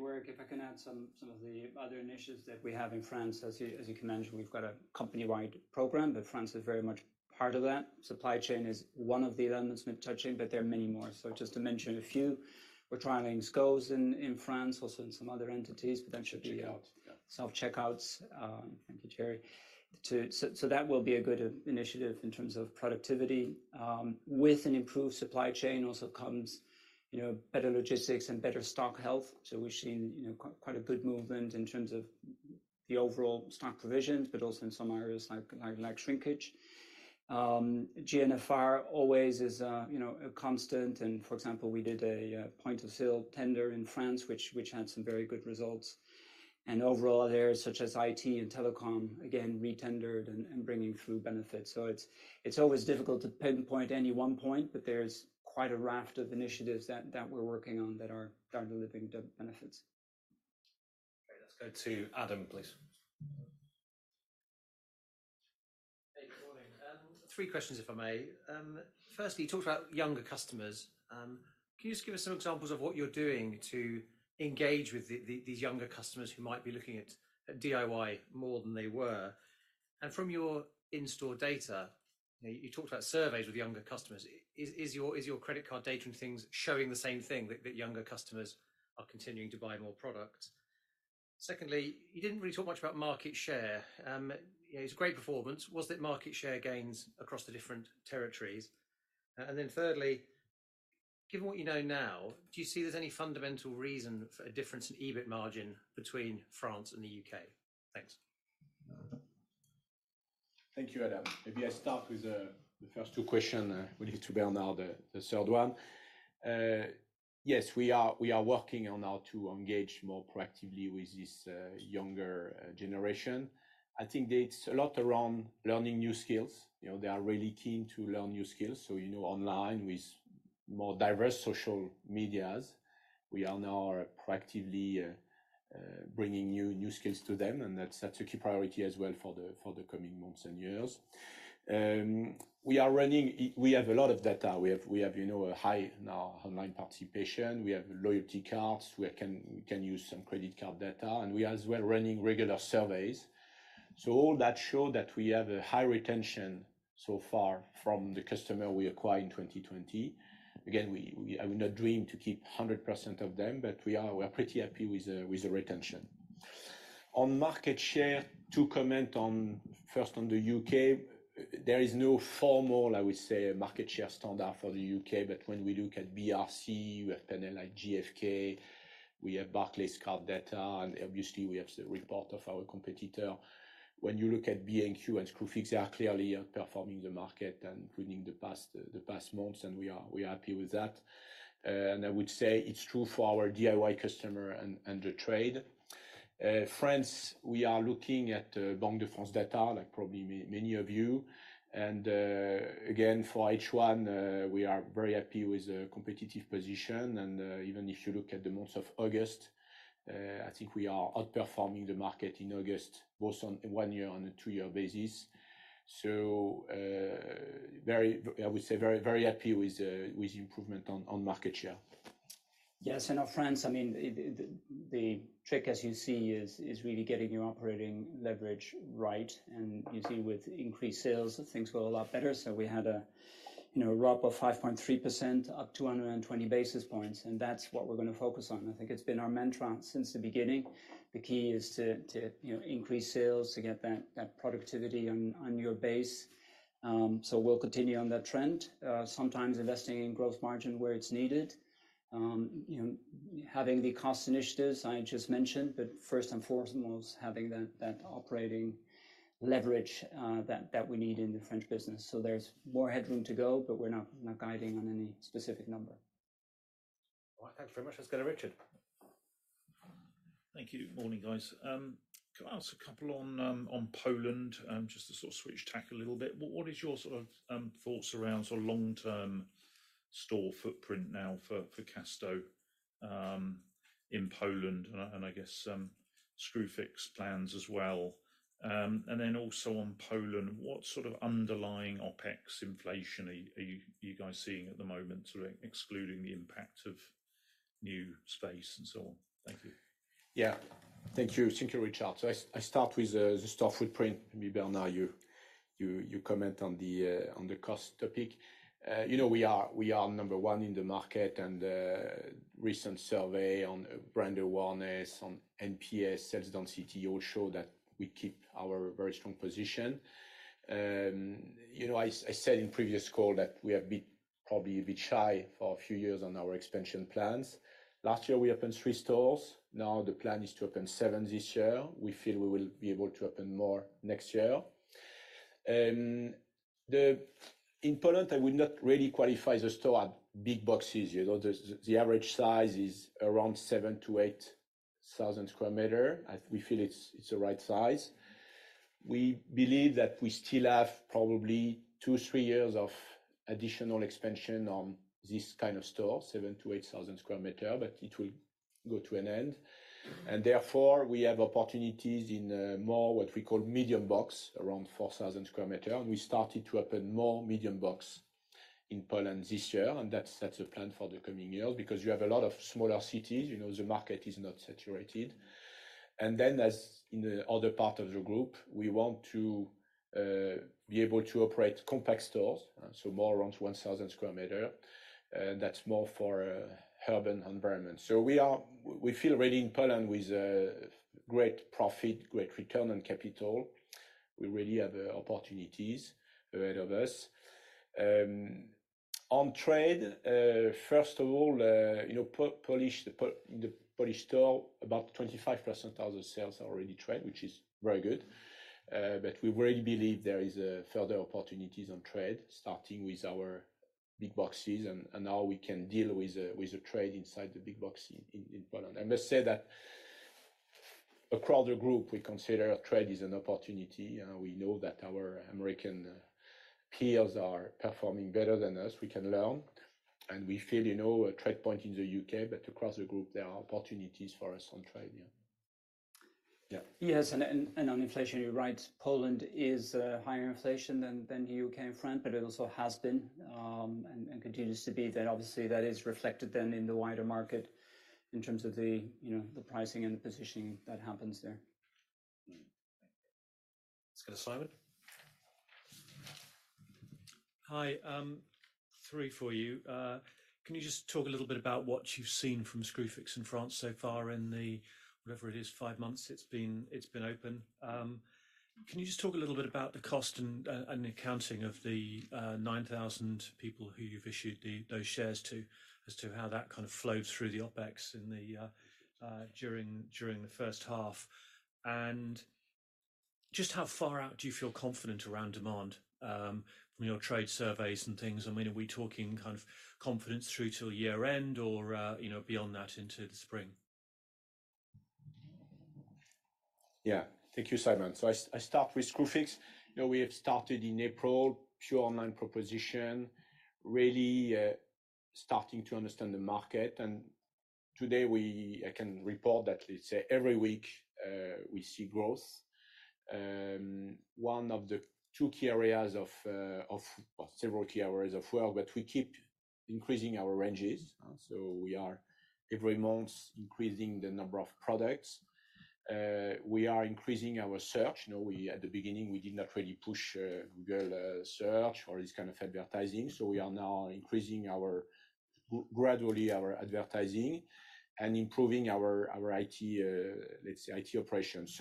Warwick, if I can add some of the other initiatives that we have in France. As you can imagine, we've got a company-wide program, but France is very much part of that. Supply chain is one of the elements we've been touching, but there are many more. Just to mention a few, we're trialing SCOs in France, also in some other entities, but that should be out. Self-checkouts. Yeah. Self-checkouts. Thank you, Thierry. That will be a good initiative in terms of productivity. With an improved supply chain also comes better logistics and better stock health. We've seen quite a good movement in terms of the overall stock provisions, but also in some areas like shrinkage. GNFR always is a constant and, for example, we did a point of sale tender in France, which had some very good results. Overall, areas such as IT and telecom, again, re-tendered and bringing through benefits. It's always difficult to pinpoint any one point, but there's quite a raft of initiatives that we're working on that are delivering the benefits. Okay. Let's go to Adam, please. Hey, good morning. Three questions, if I may. Firstly, you talked about younger customers. Can you just give us some examples of what you're doing to engage with these younger customers who might be looking at DIY more than they were? From your in-store data, you talked about surveys with younger customers. Is your credit card data and things showing the same thing, that younger customers are continuing to buy more products? Secondly, you didn't really talk much about market share. It's a great performance. Was it market share gains across the different territories? Thirdly, given what you know now, do you see there's any fundamental reason for a difference in EBIT margin between France and the U.K.? Thanks. Thank you, Adam. Maybe I start with the first two question, we leave to Bernard the third one. Yes, we are working on how to engage more proactively with this younger generation. I think there's a lot around learning new skills. They are really keen to learn new skills. Online with more diverse social medias, we are now proactively bringing new skills to them, and that's a key priority as well for the coming months and years. We have a lot of data. We have a high now online participation. We have loyalty cards. We can use some credit card data, and we as well are running regular surveys. All that show that we have a high retention so far from the customer we acquired in 2020. Again, we are not dream to keep 100% of them, but we are pretty happy with the retention. On market share, to comment first on the U.K., there is no formal, I would say, market share standard for the U.K., but when we look at BRC, we have panel like GfK, we have Barclaycard data, obviously we have the report of our competitor. When you look at B&Q and Screwfix, they are clearly outperforming the market and winning the past months, and we are happy with that. I would say it's true for our DIY customer and the trade. France, we are looking at Banque de France data, like probably many of you. Again, for H1, we are very happy with the competitive position. Even if you look at the month of August, I think we are outperforming the market in August, both on a one year and a two year basis. I would say very happy with the improvement on market share. Yes, France, the trick as you see is really getting your operating leverage right. You see with increased sales, things go a lot better. We had a ROS of 5.3%, up 220 basis points, and that's what we're going to focus on. I think it's been our mantra since the beginning. The key is to increase sales to get that productivity on your base. We'll continue on that trend, sometimes investing in gross margin where it's needed. Having the cost initiatives I just mentioned, but first and foremost, having that operating leverage that we need in the French business. There's more headroom to go, but we're not guiding on any specific number. All right. Thank you very much. Let's go to Richard. Thank you. Morning, guys. Can I ask a couple on Poland, just to sort of switch tack a little bit. What is your sort of thoughts around sort of long-term store footprint now for Casto in Poland and I guess Screwfix plans as well? Also on Poland, what sort of underlying OpEx inflation are you guys seeing at the moment, sort of excluding the impact of new space and so on? Thank you. Yeah. Thank you, Richard. I start with the store footprint. Maybe Bernard, you comment on the cost topic. We are number one in the market and recent survey on brand awareness, on NPS, satisfaction CSAT show that we keep our very strong position. I said in previous call that we have been probably a bit shy for a few years on our expansion plans. Last year, we opened 3 stores. Now the plan is to open seven this year. We feel we will be able to open more next year. In Poland, I would not really qualify the store as big boxes. The average size is around 7,000-8,000 sq m. We feel it's the right size. We believe that we still have probably two, three years of additional expansion on this kind of store, 7,000-8,000 sq m, but it will go to an end. Therefore, we have opportunities in more what we call medium box, around 4,000 sq m. We started to open more medium box in Poland this year. That's the plan for the coming years because you have a lot of smaller cities, the market is not saturated. As in the other part of the group, we want to be able to operate compact stores, so more around 1,000 sq m. That's more for urban environment. We feel really in Poland with great profit, great return on capital, we really have opportunities ahead of us. On trade, first of all, in the Polish store, about 25% of the sales are already trade, which is very good. We really believe there is further opportunities on trade, starting with our big boxes and how we can deal with the trade inside the big box in Poland. I must say that across the group, we consider trade is an opportunity, and we know that our American peers are performing better than us. We can learn, and we feel a TradePoint in the U.K., but across the group, there are opportunities for us on trade, yeah. Yeah. Yes, on inflation, you're right. Poland is higher inflation than U.K. and France, but it also has been, and continues to be. Obviously, that is reflected then in the wider market in terms of the pricing and the positioning that happens there. Let's go to Simon. Hi. Three for you. Can you just talk a little bit about what you've seen from Screwfix in France so far in the, whatever it is, five months it's been open? Can you just talk a little bit about the cost and the accounting of the 9,000 people who you've issued those shares to, as to how that kind of flows through the OpEx during the first half? Just how far out do you feel confident around demand from your trade surveys and things? Are we talking kind of confidence through till year-end or beyond that into the spring? Thank you, Simon. I start with Screwfix. We have started in April, pure online proposition, really starting to understand the market. Today, I can report that, let's say, every week, we see growth. One of the several key areas as well, we keep increasing our ranges. We are every month increasing the number of products. We are increasing our search. At the beginning, we did not really push Google search or this kind of advertising, we are now increasing gradually our advertising and improving our, let's say, IT operations.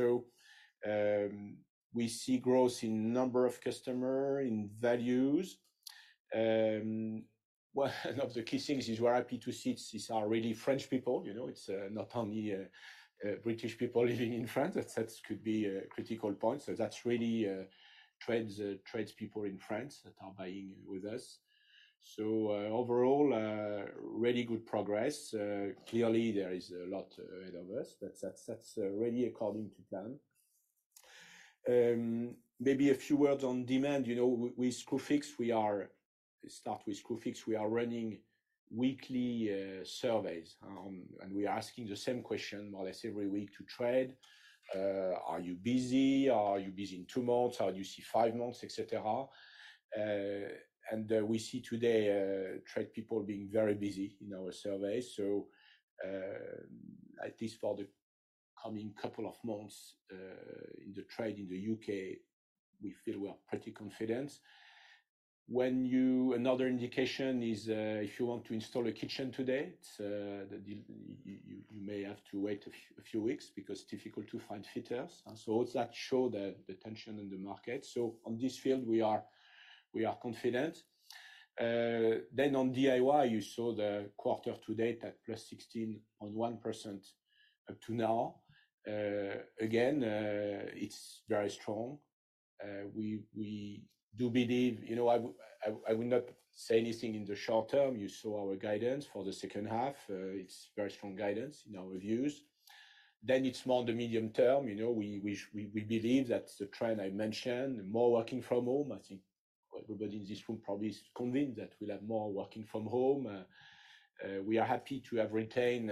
We see growth in number of customer, in values. One of the key things is our B2Bs are really French people. It's not only British people living in France. That could be a critical point. That's really trades people in France that are buying with us. Overall, really good progress. There is a lot ahead of us, but that's really according to plan. A few words on demand. With Screwfix, we are running weekly surveys, and we're asking the same question more or less every week to trade. Are you busy? Are you busy in two months? How do you see five months, et cetera? We see today trade people being very busy in our surveys. At least for the coming couple of months, in the trade in the U.K., we feel we are pretty confident. Another indication is, if you want to install a kitchen today, you may have to wait a few weeks because difficult to find fitters. All that show the tension in the market. On this field, we are confident. On DIY, you saw the quarter to date at plus 16 on 1% up to now. Again, it's very strong. I will not say anything in the short-term. You saw our guidance for the second half. It's very strong guidance in our views. It's more the medium-term. We believe that the trend I mentioned, more working from home, I think everybody in this room probably is convinced that we'll have more working from home. We are happy to have retained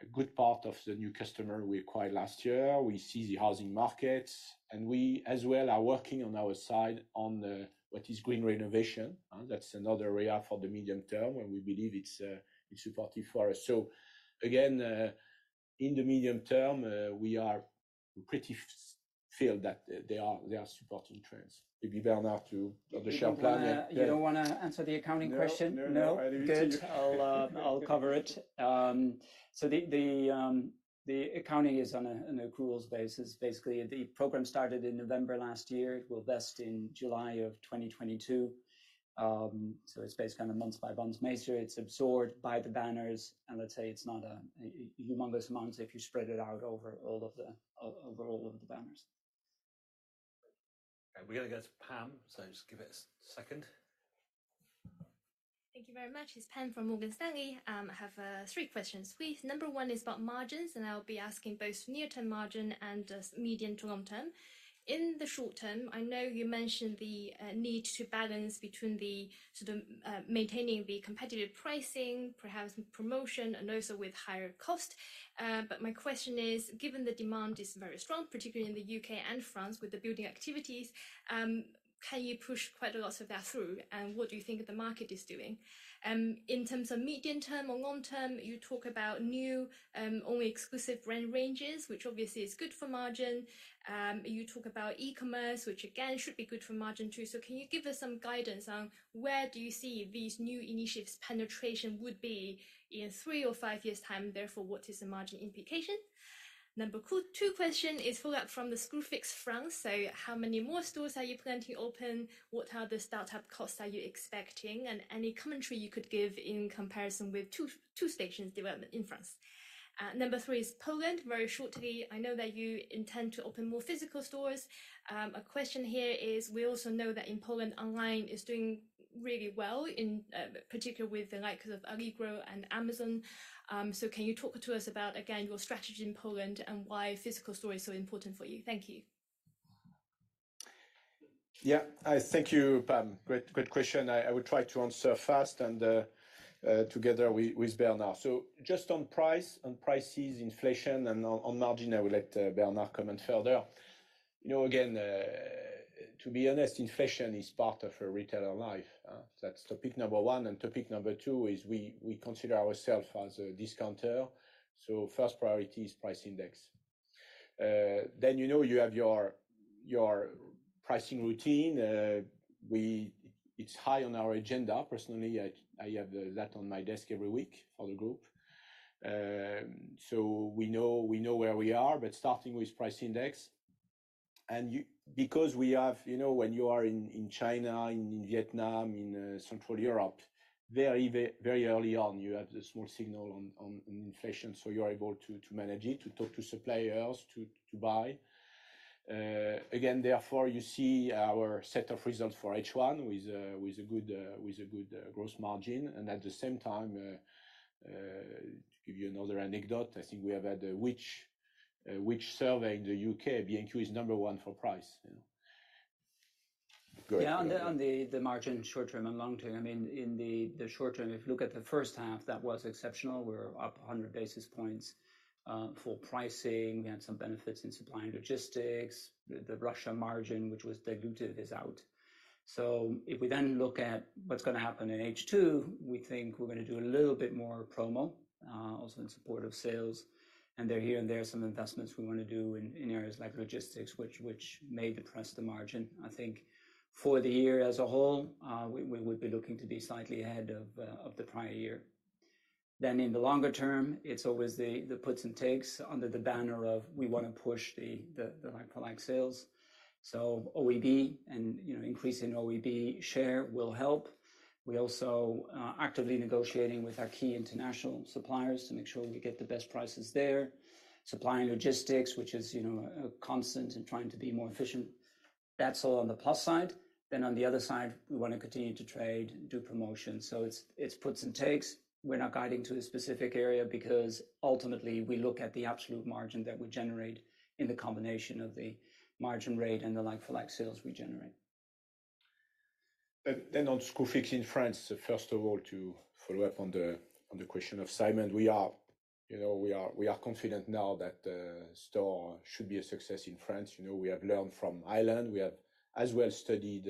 a good part of the new customer we acquired last year. We see the housing markets, and we as well are working on our side on what is green renovation. That's another area for the medium-term, and we believe it's supportive for us. Again, in the medium-term, we are pretty feel that there are supporting trends. Maybe Bernard have to have the share plan. You don't want to answer the accounting question? No. No? Good. I'll cover it. The accounting is on an accruals basis. Basically, the program started in November last year. It will vest in July of 2022. It's based kind of month by month basis. It's absorbed by the banners, and let's say it's not a humongous amount if you spread it out over all of the banners. We got to go to Pam, so just give it a second. Thank you very much. It's Pam from Morgan Stanley. I have three questions, please. Number one is about margins, and I'll be asking both near-term margin and medium to long-term. In the short-term, I know you mentioned the need to balance between the maintaining the competitive pricing, perhaps with promotion and also with higher cost. My question is, given the demand is very strong, particularly in the U.K. and France with the building activities, can you push quite a lot of that through? What do you think the market is doing? In terms of medium-term or long-term, you talk about new, Own Exclusive Brand ranges, which obviously is good for margin. You talk about e-commerce, which again, should be good for margin, too. Can you give us some guidance on where do you see these new initiatives penetration would be in three or five years' time, therefore, what is the margin implication? Number two question is follow-up from the Screwfix France. How many more stores are you planning to open? What are the startup costs are you expecting? Any commentary you could give in comparison with Toolstations development in France. Number three is Poland. Very shortly, I know that you intend to open more physical stores. A question here is, we also know that in Poland, online is doing really well, in particular with the likes of Allegro and Amazon. Can you talk to us about, again, your strategy in Poland and why physical store is so important for you? Thank you. Thank you, Pam. Great question. I will try to answer fast and together with Bernard. Just on price, on prices, inflation, and on margin, I will let Bernard comment further. Again, to be honest, inflation is part of a retailer life. That's topic number one, and topic number two is we consider ourself as a discounter, so first priority is price index. You know you have your pricing routine. It's high on our agenda. Personally, I have that on my desk every week for the group. We know where we are, but starting with price index, and because we have When you are in China, in Vietnam, in Central Europe, very early on, you have the small signal on inflation, so you're able to manage it, to talk to suppliers, to buy. Therefore, you see our set of results for H1 with a good gross margin. At the same time, to give you another anecdote, I think we have had Which? survey in the U.K., B&Q is number one for price. Go ahead, Bernard. On the margin short-term and long-term, in the short-term, if you look at the first half, that was exceptional. We're up 100 basis points for pricing. We had some benefits in supply and logistics. The Russia margin, which was dilutive, is out. If we then look at what's going to happen in H2, we think we're going to do a little bit more promo, also in support of sales. There, here and there are some investments we want to do in areas like logistics, which may depress the margin. I think for the year as a whole, we would be looking to be slightly ahead of the prior year. In the longer term, it's always the puts and takes under the banner of we want to push the like-for-like sales. OEB and increase in OEB share will help. We also are actively negotiating with our key international suppliers to make sure we get the best prices there. Supply and logistics, which is a constant and trying to be more efficient. That's all on the plus side. On the other side, we want to continue to trade, do promotions. It's puts and takes. We're not guiding to a specific area because ultimately, we look at the absolute margin that we generate in the combination of the margin rate and the like-for-like sales we generate. On Screwfix in France, first of all, to follow up on the question of Simon, we are confident now that the store should be a success in France. We have learned from Ireland. We have as well studied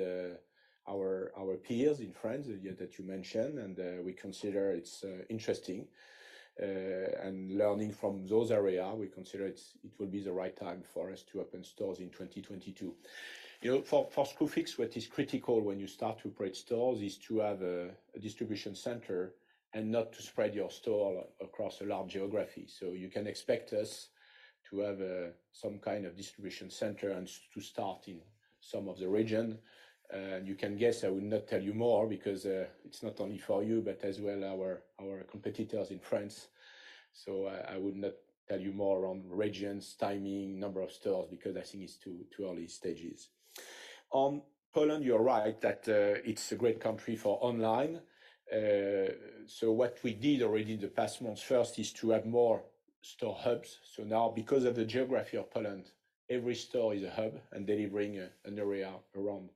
our peers in France that you mentioned, and we consider it's interesting. Learning from those area, we consider it will be the right time for us to open stores in 2022. For Screwfix, what is critical when you start to operate stores is to have a distribution center and not to spread your store across a large geography. You can expect us to have some kind of distribution center and to start in some of the region. You can guess I will not tell you more because it's not only for you, but as well our competitors in France. I would not tell you more on regions, timing, number of stores, because I think it's too early stages. On Poland, you're right that it's a great country for online. What we did already in the past months first is to have more store hubs. Now because of the geography of Poland, every store is a hub and delivering an area around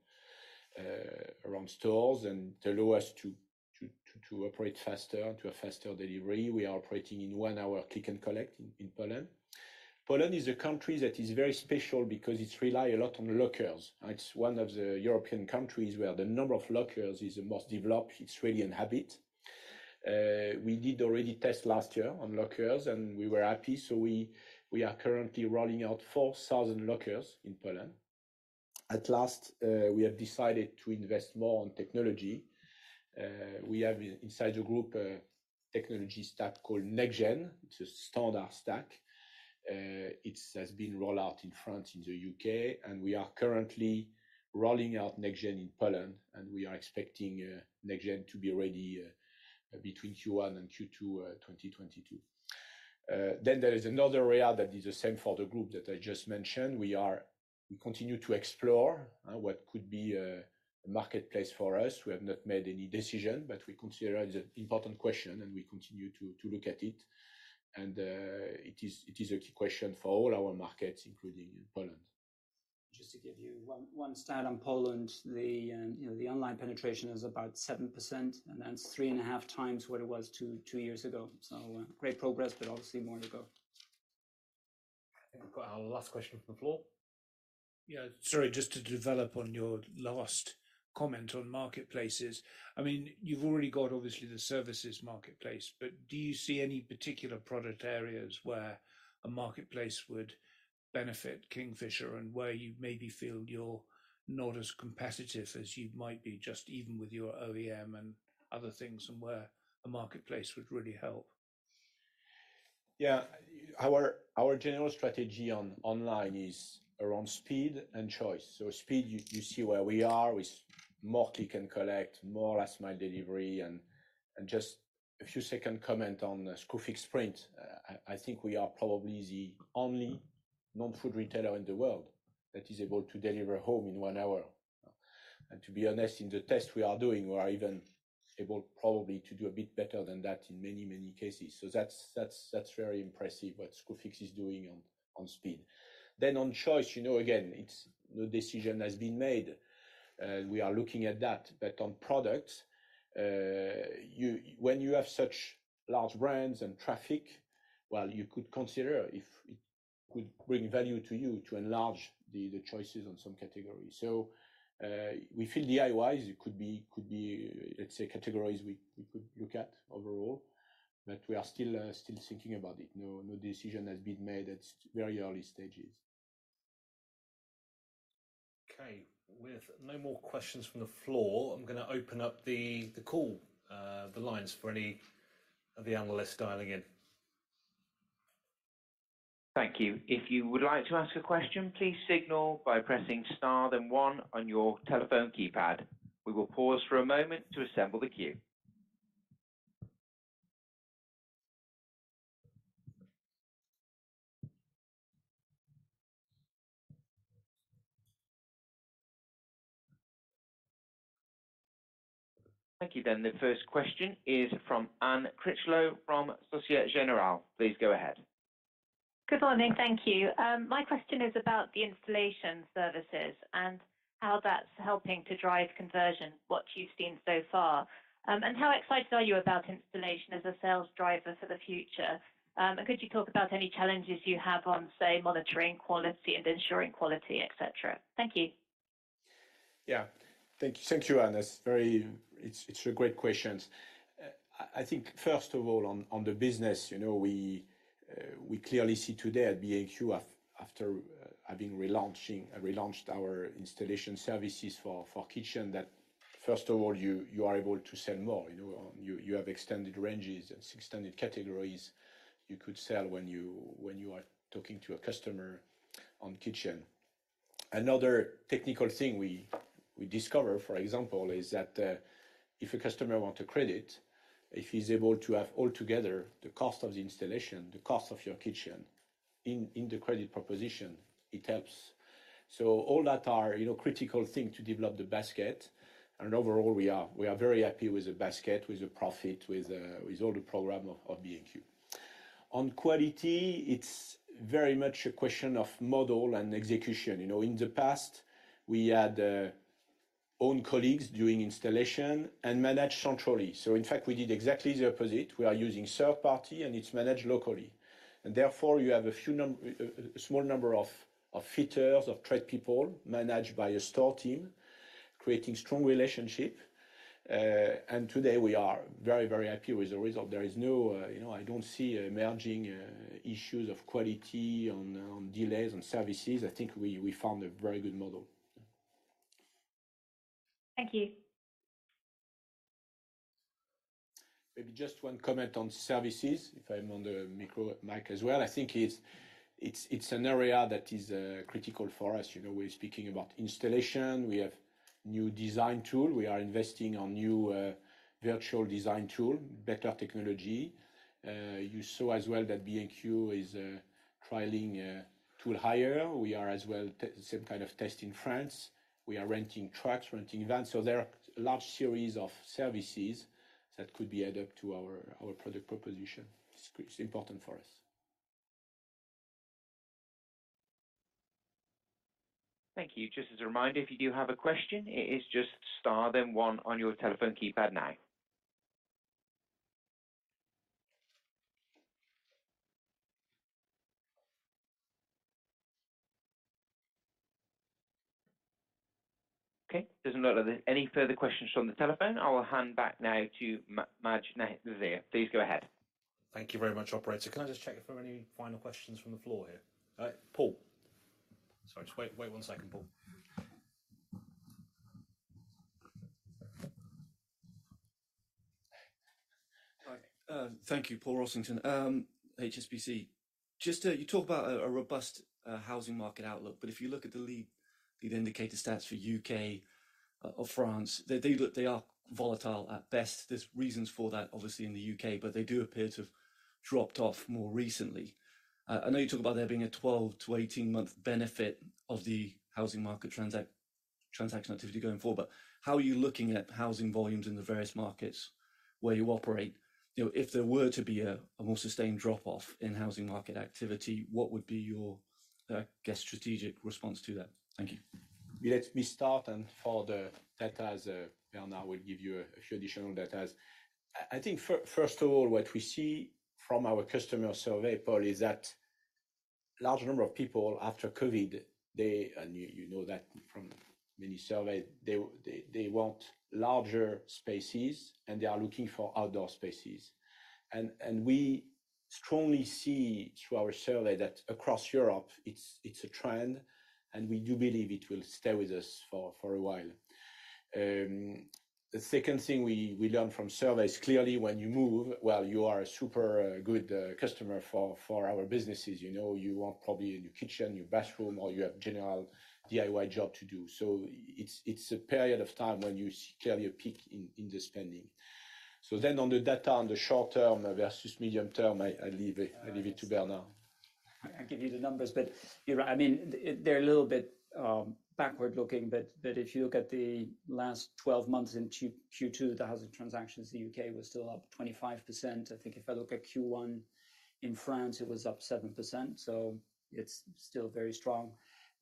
stores and to allow us to operate faster, to a faster delivery. We are operating in 1-hour click and collect in Poland. Poland is a country that is very special because it rely a lot on lockers. It's one of the European countries where the number of lockers is the most developed. It's really a habit. We did already test last year on lockers, and we were happy. We are currently rolling out 4,000 lockers in Poland. At last, we have decided to invest more on technology. We have inside the group a technology stack called NexGen. It's a standard stack. It has been rolled out in France, in the U.K. We are currently rolling out NexGen in Poland. We are expecting NexGen to be ready between Q1 and Q2 2022. There is another area that is the same for the group that I just mentioned. We continue to explore what could be a marketplace for us. We have not made any decision. We consider it an important question and we continue to look at it. It is a key question for all our markets, including in Poland. Just to give you one stat on Poland, the online penetration is about 7%, that's three and a half times what it was two years ago. Great progress, obviously more to go. I think we've got our last question from the floor. Sorry, just to develop on your last comment on marketplaces. You've already got, obviously, the services marketplace, but do you see any particular product areas where a marketplace would benefit Kingfisher and where you maybe feel you're not as competitive as you might be, just even with your OEB and other things, and where a marketplace would really help? Yeah. Our general strategy on online is around speed and choice. Speed, you see where we are with more click and collect, more last mile delivery, and just a few second comment on Screwfix Sprint. I think we are probably the only non-food retailer in the world that is able to deliver home in one hour. To be honest, in the test we are doing, we are even able probably to do a bit better than that in many, many cases. That's very impressive what Screwfix is doing on speed. On choice, again, no decision has been made, we are looking at that. On products, when you have such large brands and traffic, well, you could consider if it could bring value to you to enlarge the choices on some categories. We feel DIY could be, let's say, categories we could look at overall, but we are still thinking about it. No decision has been made. It's very early stages. Okay. With no more questions from the floor, I'm going to open up the call, the lines for any of the analysts dialing in. Thank you. If you would like to ask a question, please signal by pressing star then one on your telephone keypad. We will pause for a moment to assemble the queue. Thank you. The first question is from Anne Critchlow from Societe Generale. Please go ahead. Good morning. Thank you. My question is about the installation services and how that's helping to drive conversion, what you've seen so far. How excited are you about installation as a sales driver for the future? Could you talk about any challenges you have on, say, monitoring quality and ensuring quality, et cetera? Thank you. Thank you, Anne. It's a great question. I think first of all on the business, we clearly see today at B&Q, after having relaunched our installation services for kitchen, that first of all you are able to sell more. You have extended ranges, extended categories you could sell when you are talking to a customer on kitchen. Another technical thing we discover, for example, is that if a customer want a credit, if he's able to have altogether the cost of the installation, the cost of your kitchen in the credit proposition, it helps. All that are critical thing to develop the basket and overall we are very happy with the basket, with the profit, with all the program of B&Q. On quality, it's very much a question of model and execution. In the past, we had own colleagues doing installation and managed centrally. In fact, we did exactly the opposite. We are using third party, and it's managed locally. Therefore, you have a small number of fitters, of trade people managed by a store team, creating strong relationship. Today we are very happy with the result. I don't see emerging issues of quality on delays on services. I think we found a very good model. Thank you. Maybe just one comment on services, if I'm on the mic as well. I think it's an area that is critical for us. We're speaking about installation. We have new design tool. We are investing on new virtual design tool, better technology. You saw as well that B&Q is trialing tool hire. We are as well same kind of test in France. We are renting trucks, renting vans, so there are large series of services that could be added to our product proposition. It's important for us. Thank you. Just as a reminder, if you do have a question, it is just star then one on your telephone keypad now. There's no other any further questions from the telephone. I will hand back now to Majid Nazir there. Please go ahead. Thank you very much, operator. Can I just check if there are any final questions from the floor here? All right, Paul. Sorry, just wait second, Paul. Hi. Thank you. Paul Rossington, HSBC. Just you talk about a robust housing market outlook, but if you look at the lead indicator stats for U.K. or France, they are volatile at best. There's reasons for that, obviously, in the U.K., but they do appear to have dropped off more recently. I know you talk about there being a 12-18 month benefit of the housing market transaction activity going forward, but how are you looking at housing volumes in the various markets where you operate? If there were to be a more sustained drop-off in housing market activity, what would be your strategic response to that? Thank you. Let me start for the data as Bernard will give you additional data. First of all, what we see from our customer survey, Paul, is that large number of people after COVID, and you know that from many surveys, they want larger spaces, they are looking for outdoor spaces. We strongly see through our survey that across Europe it's a trend, and we do believe it will stay with us for a while. The second thing we learn from surveys, clearly, when you move, well, you are a super good customer for our businesses. You want probably a new kitchen, new bathroom, or you have general DIY job to do. It's a period of time when you see clearly a peak in the spending. On the data, on the short-term versus medium-term, I leave it to Bernard. I give you the numbers, but you're right. They're a little bit backward-looking, but if you look at the last 12 months in Q2, the housing transactions in the U.K. were still up 25%. I think if I look at Q1 in France, it was up 7%, so it's still very strong.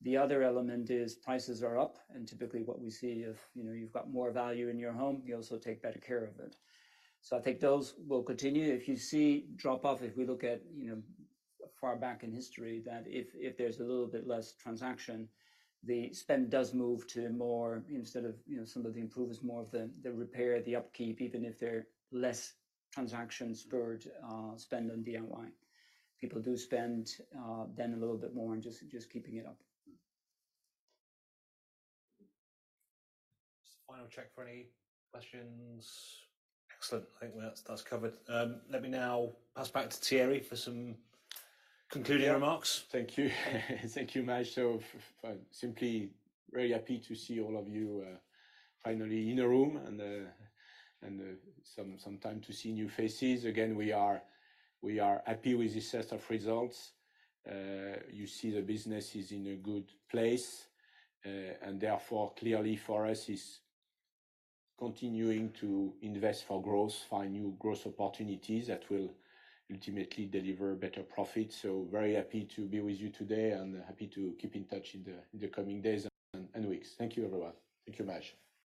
The other element is prices are up, and typically what we see if you've got more value in your home, you also take better care of it. I think those will continue. If you see drop-off, if we look at far back in history, that if there's a little bit less transaction, the spend does move to more instead of some of the improvements, more of the repair, the upkeep, even if they're less transactions for spend on DIY. People do spend then a little bit more on just keeping it up. Just a final check for any questions. Excellent. I think that is covered. Let me now pass back to Thierry for some concluding remarks. Thank you. Thank you, Maj. Simply very happy to see all of you finally in a room and some time to see new faces. Again, we are happy with this set of results. You see the business is in a good place and therefore clearly for us is continuing to invest for growth, find new growth opportunities that will ultimately deliver better profit. Very happy to be with you today and happy to keep in touch in the coming days and weeks. Thank you, everyone. Thank you, Maj.